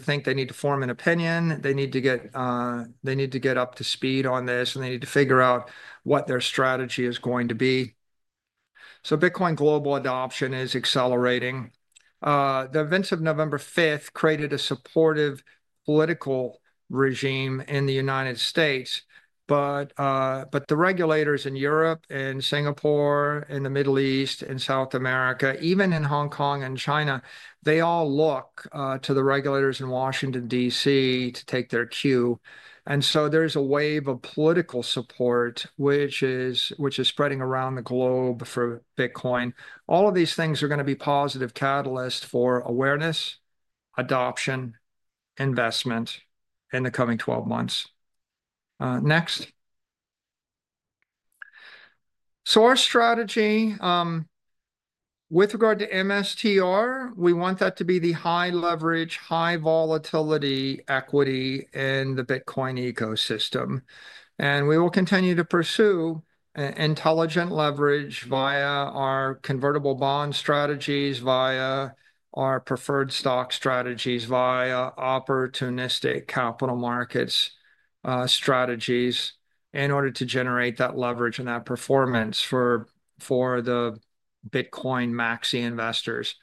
think they need to form an opinion. They need to get up to speed on this, and they need to figure out what their strategy is going to be. Bitcoin global adoption is accelerating. The events of November 5th created a supportive political regime in the United States. The regulators in Europe and Singapore and the Middle East and South America, even in Hong Kong and China, they all look to the regulators in Washington, D.C. to take their cue. There's a wave of political support, which is spreading around the globe for Bitcoin. All of these things are going to be positive catalysts for awareness, adoption, investment in the coming 12 months. Next. Our strategy with regard to MSTR, we want that to be the high leverage, high volatility equity in the Bitcoin ecosystem. We will continue to pursue intelligent leverage via our convertible bond strategies, via our preferred stock strategies, via opportunistic capital markets strategies in order to generate that leverage and that performance for the Bitcoin maxi investors.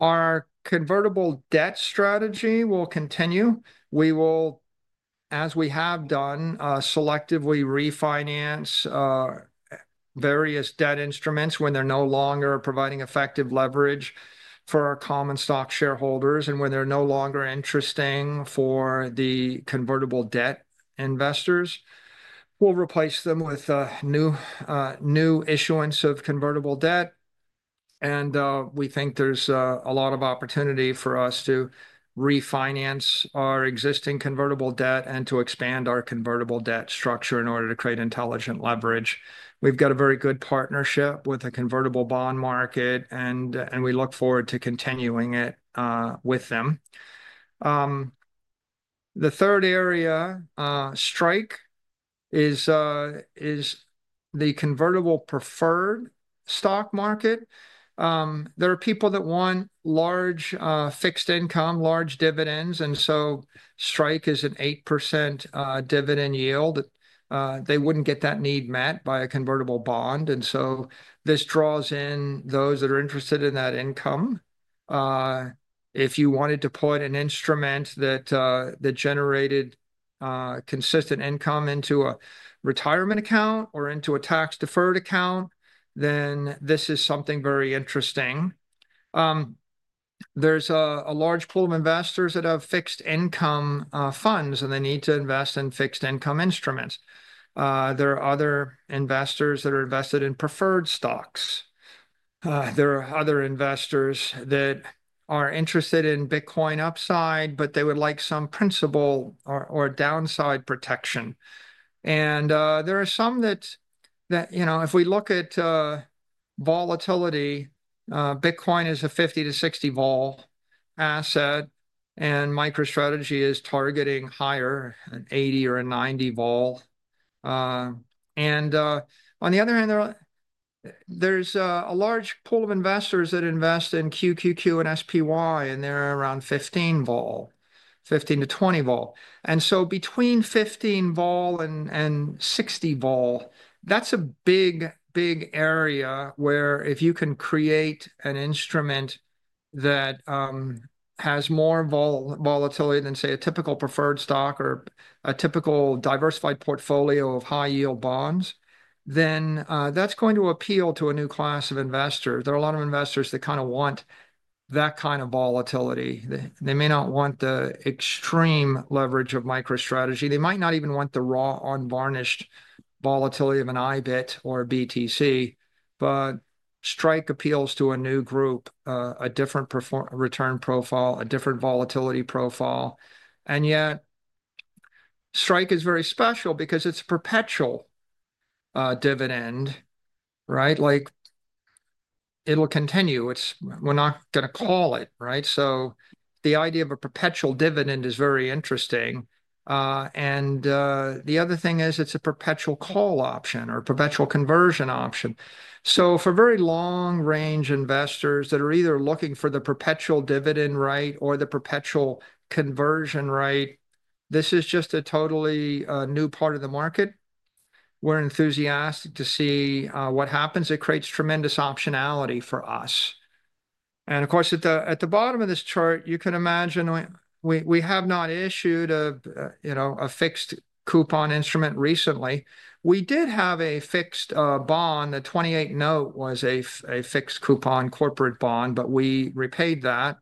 Our convertible debt strategy will continue. We will, as we have done, selectively refinance various debt instruments when they're no longer providing effective leverage for our common stock shareholders and when they're no longer interesting for the convertible debt investors. We'll replace them with a new issuance of convertible debt. We think there's a lot of opportunity for us to refinance our existing convertible debt and to expand our convertible debt structure in order to create intelligent leverage. We've got a very good partnership with the convertible bond market, and we look forward to continuing it with them. The third area, STRIKE, is the convertible preferred stock market. There are people that want large fixed income, large dividends, and so STRIKE is an 8% dividend yield. They wouldn't get that need met by a convertible bond, and so this draws in those that are interested in that income. If you wanted to put an instrument that generated consistent income into a retirement account or into a tax-deferred account, then this is something very interesting. There's a large pool of investors that have fixed income funds, and they need to invest in fixed income instruments. There are other investors that are invested in preferred stocks. There are other investors that are interested in Bitcoin upside, but they would like some principal or downside protection. There are some that, you know, if we look at volatility, Bitcoin is a 50-60 vol asset, and MicroStrategy is targeting higher, an 80 or 90 vol. On the other hand, there's a large pool of investors that invest in QQQ and SPY, and they're around 15 vol, 15-20 vol. Between 15 vol and 60 vol, that's a big, big area where if you can create an instrument that has more volatility than, say, a typical preferred stock or a typical diversified portfolio of high-yield bonds, then that's going to appeal to a new class of investors. There are a lot of investors that kind of want that kind of volatility. They may not want the extreme leverage of MicroStrategy. They might not even want the raw unvarnished volatility of an IBIT or a BTC. But STRIKE appeals to a new group, a different return profile, a different volatility profile. And yet STRIKE is very special because it's a perpetual dividend, right? Like it'll continue. We're not going to call it, right? So the idea of a perpetual dividend is very interesting. And the other thing is it's a perpetual call option or a perpetual conversion option. So for very long-range investors that are either looking for the perpetual dividend rate or the perpetual conversion rate, this is just a totally new part of the market. We're enthusiastic to see what happens. It creates tremendous optionality for us. And of course, at the bottom of this chart, you can imagine we have not issued a fixed coupon instrument recently. We did have a fixed bond. The 28 note was a fixed coupon corporate bond, but we repaid that.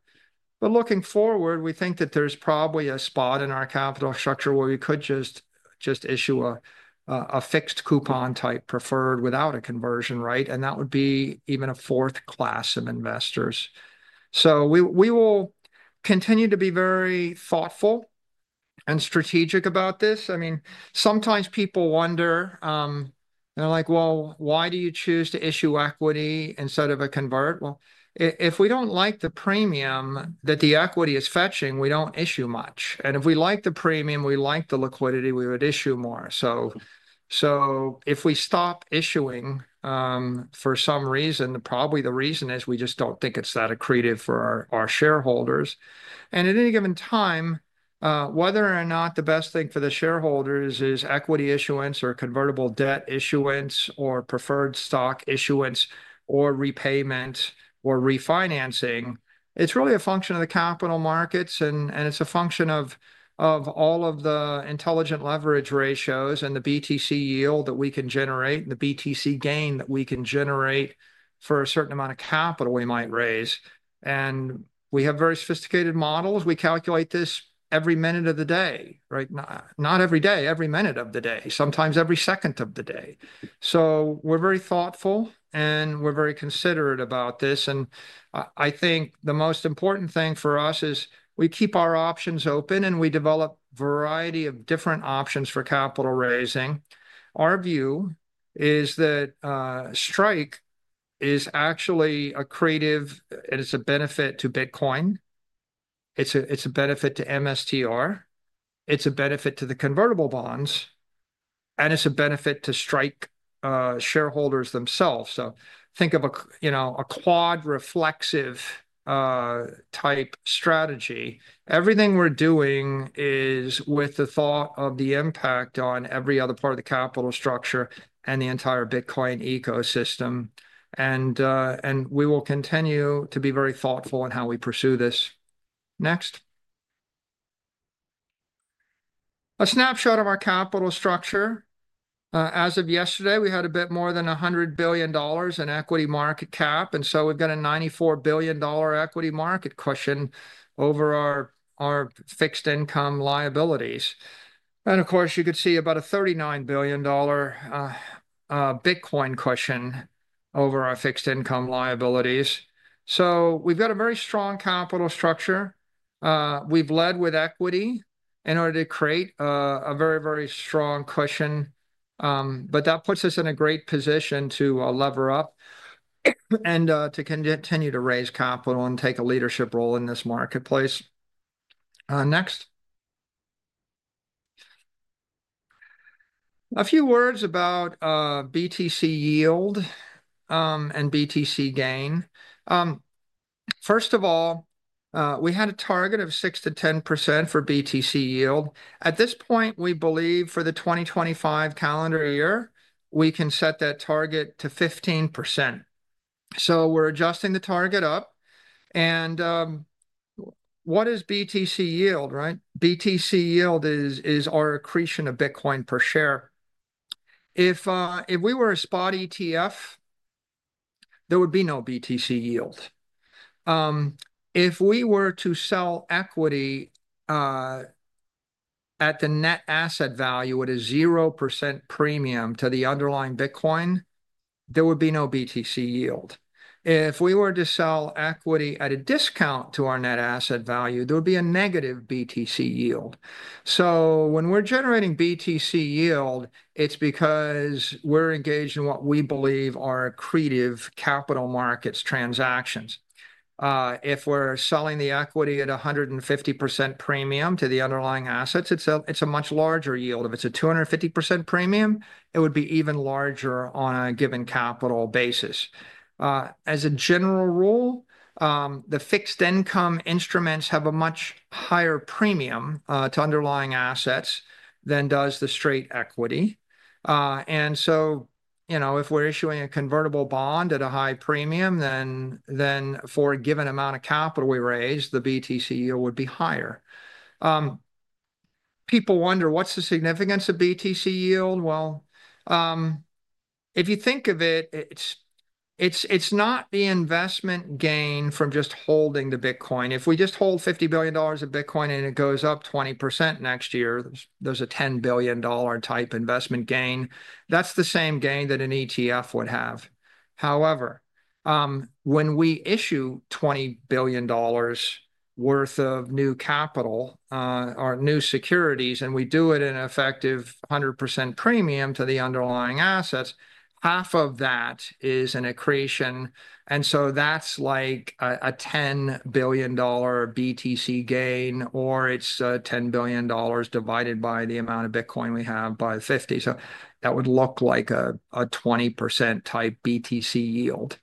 But looking forward, we think that there's probably a spot in our capital structure where we could just issue a fixed coupon type preferred without a conversion, right? And that would be even a fourth class of investors. So we will continue to be very thoughtful and strategic about this. I mean, sometimes people wonder, they're like, well, why do you choose to issue equity instead of a convert? Well, if we don't like the premium that the equity is fetching, we don't issue much. And if we like the premium, we like the liquidity, we would issue more. So if we stop issuing for some reason, probably the reason is we just don't think it's that accretive for our shareholders. And at any given time, whether or not the best thing for the shareholders is equity issuance or convertible debt issuance or preferred stock issuance or repayment or refinancing, it's really a function of the capital markets. And it's a function of all of the intelligent leverage ratios and the BTC yield that we can generate and the BTC Gain that we can generate for a certain amount of capital we might raise. And we have very sophisticated models. We calculate this every minute of the day, right? Not every day, every minute of the day, sometimes every second of the day. So we're very thoughtful and we're very considerate about this. And I think the most important thing for us is we keep our options open and we develop a variety of different options for capital raising. Our view is that STRIKE is actually accretive and it's a benefit to Bitcoin. It's a benefit to MSTR. It's a benefit to the convertible bonds, and it's a benefit to STRIKE shareholders themselves, so think of a quad reflexive type strategy. Everything we're doing is with the thought of the impact on every other part of the capital structure and the entire Bitcoin ecosystem, and we will continue to be very thoughtful in how we pursue this. Next. A snapshot of our capital structure. As of yesterday, we had a bit more than $100 billion in equity market cap, and so we've got a $94 billion equity market cushion over our fixed income liabilities, and of course, you could see about a $39 billion Bitcoin cushion over our fixed income liabilities, so we've got a very strong capital structure. We've led with equity in order to create a very, very strong cushion. But that puts us in a great position to lever up and to continue to raise capital and take a leadership role in this marketplace. Next. A few words about BTC yield and BTC Gain. First of all, we had a target of 6% to 10% for BTC yield. At this point, we believe for the 2025 calendar year, we can set that target to 15%. So we're adjusting the target up. And what is BTC yield, right? BTC yield is our accretion of Bitcoin per share. If we were a spot ETF, there would be no BTC yield. If we were to sell equity at the net asset value at a 0% premium to the underlying Bitcoin, there would be no BTC yield. If we were to sell equity at a discount to our net asset value, there would be a negative BTC yield. So when we're generating BTC yield, it's because we're engaged in what we believe are accretive capital markets transactions. If we're selling the equity at a 150% premium to the underlying assets, it's a much larger yield. If it's a 250% premium, it would be even larger on a given capital basis. As a general rule, the fixed income instruments have a much higher premium to underlying assets than does the straight equity. And so, you know, if we're issuing a convertible bond at a high premium, then for a given amount of capital we raise, the BTC yield would be higher. People wonder, what's the significance of BTC yield? Well, if you think of it, it's not the investment gain from just holding the Bitcoin. If we just hold $50 billion of Bitcoin and it goes up 20% next year, there's a $10 billion type investment gain. That's the same gain that an ETF would have. However, when we issue $20 billion worth of new capital or new securities, and we do it at an effective 100% premium to the underlying assets, half of that is an accretion. And so that's like a $10 billion BTC Gain, or it's $10 billion divided by the amount of Bitcoin we have by 50. So that would look like a 20% type BTC yield.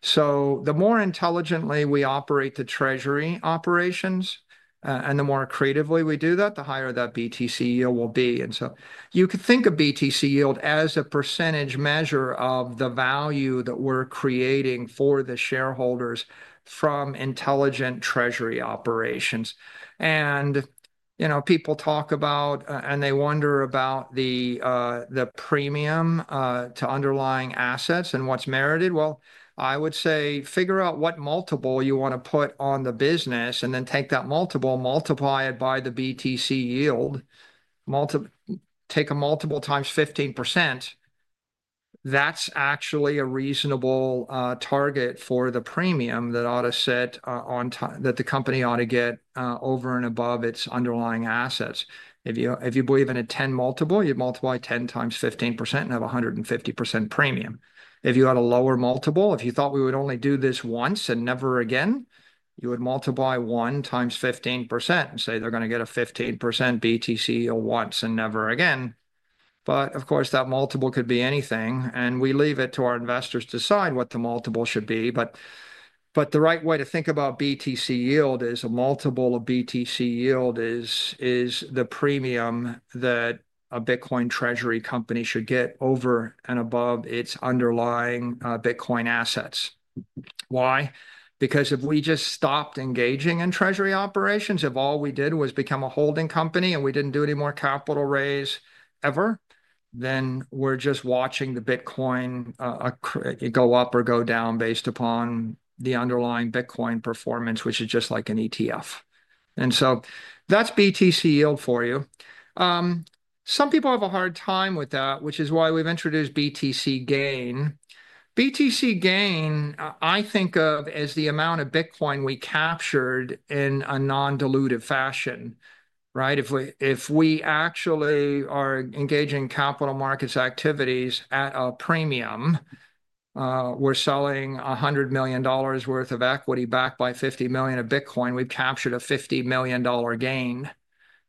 So the more intelligently we operate the treasury operations, and the more accretively we do that, the higher that BTC yield will be. And so you could think of BTC yield as a percentage measure of the value that we're creating for the shareholders from intelligent treasury operations. And you know, people talk about, and they wonder about the premium to underlying assets and what's merited. Well, I would say figure out what multiple you want to put on the business, and then take that multiple, multiply it by the BTC yield. Take a multiple times 15%. That's actually a reasonable target for the premium that ought to sit on that the company ought to get over and above its underlying assets. If you believe in a 10 multiple, you'd multiply 10 times 15% and have a 150% premium. If you had a lower multiple, if you thought we would only do this once and never again, you would multiply one times 15% and say they're going to get a 15% BTC yield once and never again. But of course, that multiple could be anything, and we leave it to our investors to decide what the multiple should be. But the right way to think about BTC yield is a multiple of BTC yield is the premium that a Bitcoin treasury company should get over and above its underlying Bitcoin assets. Why? Because if we just stopped engaging in treasury operations, if all we did was become a holding company and we didn't do any more capital raise ever, then we're just watching the Bitcoin go up or go down based upon the underlying Bitcoin performance, which is just like an ETF. And so that's BTC yield for you. Some people have a hard time with that, which is why we've introduced BTC Gain. BTC Gain, I think of as the amount of Bitcoin we captured in a non-dilutive fashion, right? If we actually are engaging capital markets activities at a premium, we're selling $100 million worth of equity back by $50 million of Bitcoin, we've captured a $50 million gain,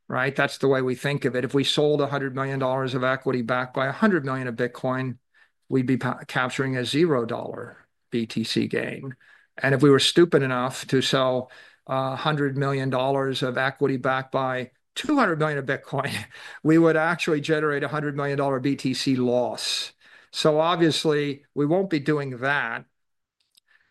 right? That's the way we think of it. If we sold $100 million of equity back by $100 million of Bitcoin, we'd be capturing a $0 BTC Gain. If we were stupid enough to sell $100 million of equity back by $200 million of Bitcoin, we would actually generate a $100 million BTC loss. Obviously, we won't be doing that.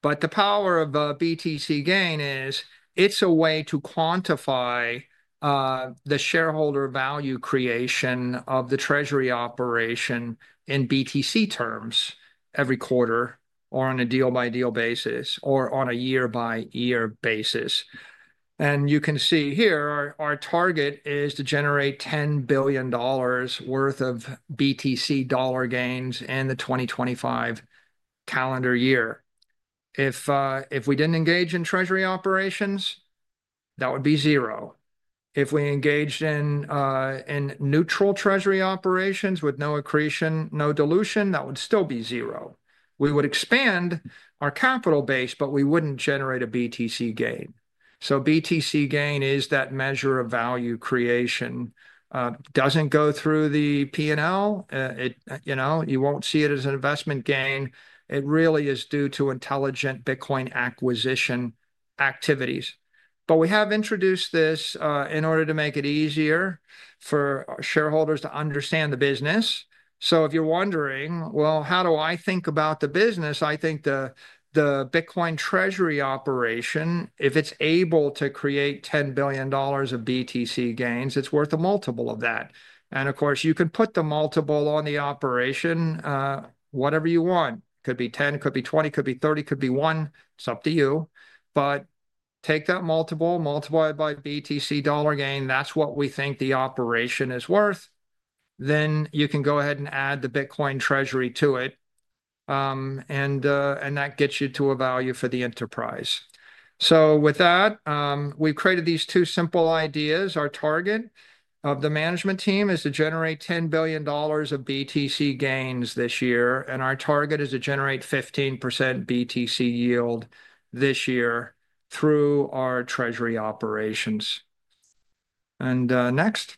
The power of BTC Gain is it's a way to quantify the shareholder value creation of the treasury operation in BTC terms every quarter or on a deal-by-deal basis or on a year-by-year basis. You can see here, our target is to generate $10 billion worth of BTC Dollar Gains in the 2025 calendar year. If we didn't engage in treasury operations, that would be zero. If we engaged in neutral treasury operations with no accretion, no dilution, that would still be zero. We would expand our capital base, but we wouldn't generate a BTC Gain. So BTC Gain is that measure of value creation. It doesn't go through the P&L. You won't see it as an investment gain. It really is due to intelligent Bitcoin acquisition activities. But we have introduced this in order to make it easier for shareholders to understand the business. So if you're wondering, well, how do I think about the business? I think the Bitcoin treasury operation, if it's able to create $10 billion of BTC Gains, it's worth a multiple of that. And of course, you can put the multiple on the operation whatever you want. It could be 10, could be 20, could be 30, could be 1. It's up to you. But take that multiple, multiply it by BTC Dollar Gain. That's what we think the operation is worth. Then you can go ahead and add the Bitcoin treasury to it. And that gets you to a value for the enterprise. So with that, we've created these two simple ideas. Our target of the management team is to generate $10 billion of BTC Gains this year. And our target is to generate 15% BTC yield this year through our treasury operations. And next.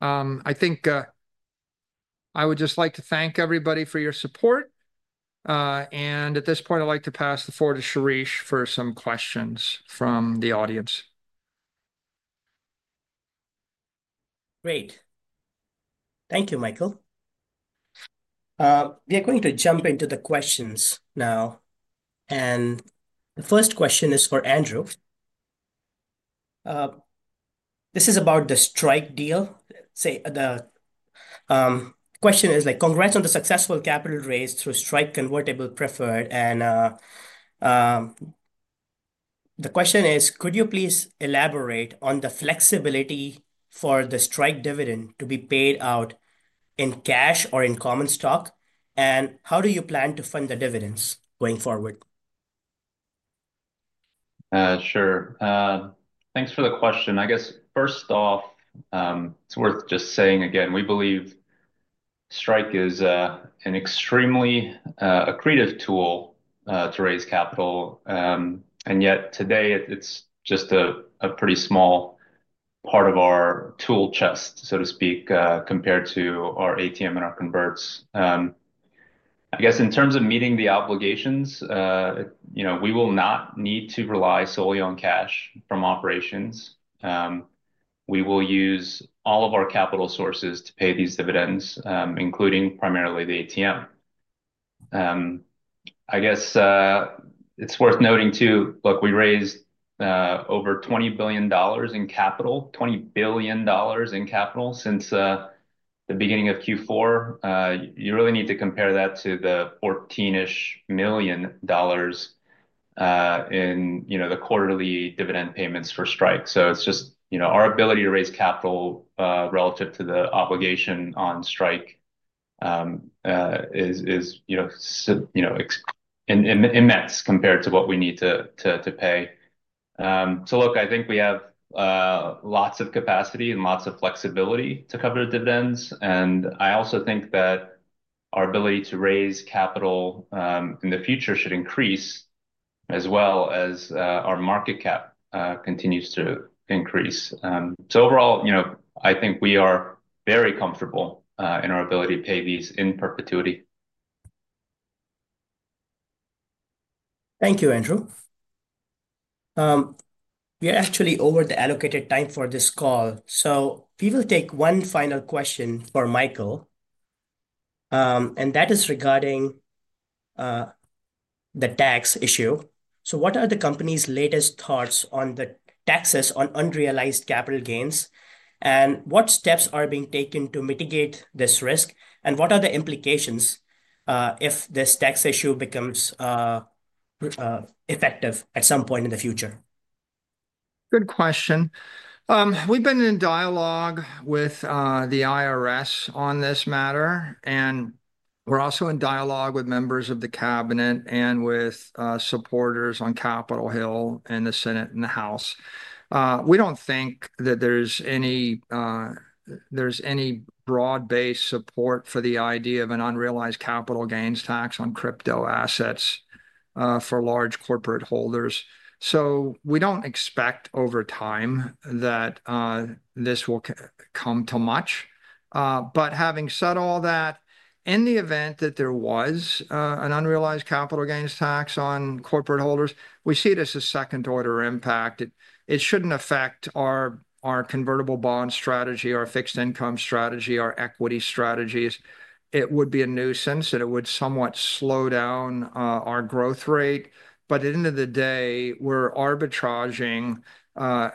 I think I would just like to thank everybody for your support. And at this point, I'd like to pass the floor to Shirish for some questions from the audience. Great. Thank you, Michael. We are going to jump into the questions now. And the first question is for Andrew. This is about the STRIKE deal. The question is like, "Congrats on the successful capital raised through STRIKE convertible preferred." And the question is, "Could you please elaborate on the flexibility for the STRIKE dividend to be paid out in cash or in common stock? And how do you plan to fund the dividends going forward?" Sure. Thanks for the question. I guess, first off, it's worth just saying again, we believe STRIKE is an extremely accretive tool to raise capital. And yet today, it's just a pretty small part of our tool chest, so to speak, compared to our ATM and our converts. I guess in terms of meeting the obligations, we will not need to rely solely on cash from operations. We will use all of our capital sources to pay these dividends, including primarily the ATM. I guess it's worth noting too. Look, we raised over $20 billion in capital, $20 billion in capital since the beginning of Q4. You really need to compare that to the $14 million in the quarterly dividend payments for STRIKE. So it's just our ability to raise capital relative to the obligation on STRIKE is immense compared to what we need to pay. So look, I think we have lots of capacity and lots of flexibility to cover dividends. And I also think that our ability to raise capital in the future should increase as well as our market cap continues to increase. So overall, I think we are very comfortable in our ability to pay these in perpetuity. Thank you, Andrew. We are actually over the allocated time for this call. So we will take one final question for Michael. And that is regarding the tax issue. What are the company's latest thoughts on the taxes on unrealized capital gains? What steps are being taken to mitigate this risk? What are the implications if this tax issue becomes effective at some point in the future? Good question. We've been in dialogue with the IRS on this matter. We're also in dialogue with members of the cabinet and with supporters on Capitol Hill and the Senate and the House. We don't think that there's any broad-based support for the idea of an unrealized capital gains tax on crypto assets for large corporate holders. We don't expect over time that this will come to much. Having said all that, in the event that there was an unrealized capital gains tax on corporate holders, we see it as a second-order impact. It shouldn't affect our convertible bond strategy, our fixed income strategy, our equity strategies. It would be a nuisance, and it would somewhat slow down our growth rate. But at the end of the day, we're arbitraging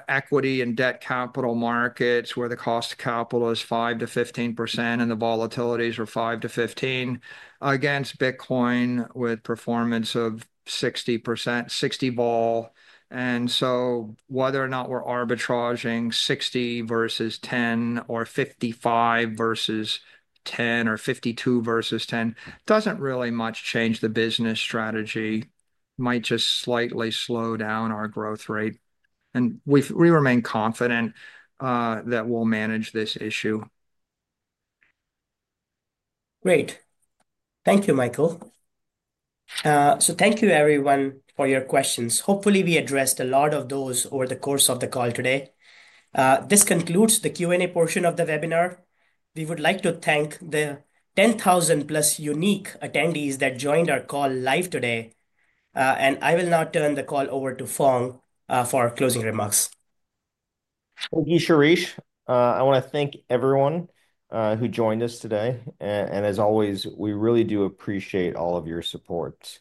equity and debt capital markets where the cost of capital is 5%-15%, and the volatilities are 5%-15% against Bitcoin with performance of 60%, 60 vol. And so whether or not we're arbitraging 60% versus 10% or 55% versus 10% or 52% versus 10% doesn't really much change the business strategy. It might just slightly slow down our growth rate. And we remain confident that we'll manage this issue. Great. Thank you, Michael. So thank you, everyone, for your questions. Hopefully, we addressed a lot of those over the course of the call today. This concludes the Q&A portion of the webinar. We would like to thank the 10,000-plus unique attendees that joined our call live today, and I will now turn the call over to Phong for closing remarks. Thank you, Shirish. I want to thank everyone who joined us today, and as always, we really do appreciate all of your support.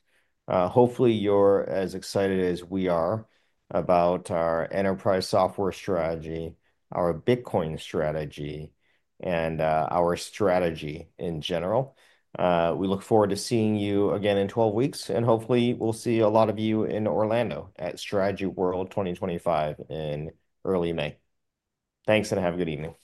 Hopefully, you're as excited as we are about our enterprise software strategy, our Bitcoin strategy, and our strategy in general. We look forward to seeing you again in 12 weeks, and hopefully, we'll see a lot of you in Orlando at Strategy World 2025 in early May. Thanks and have a good evening.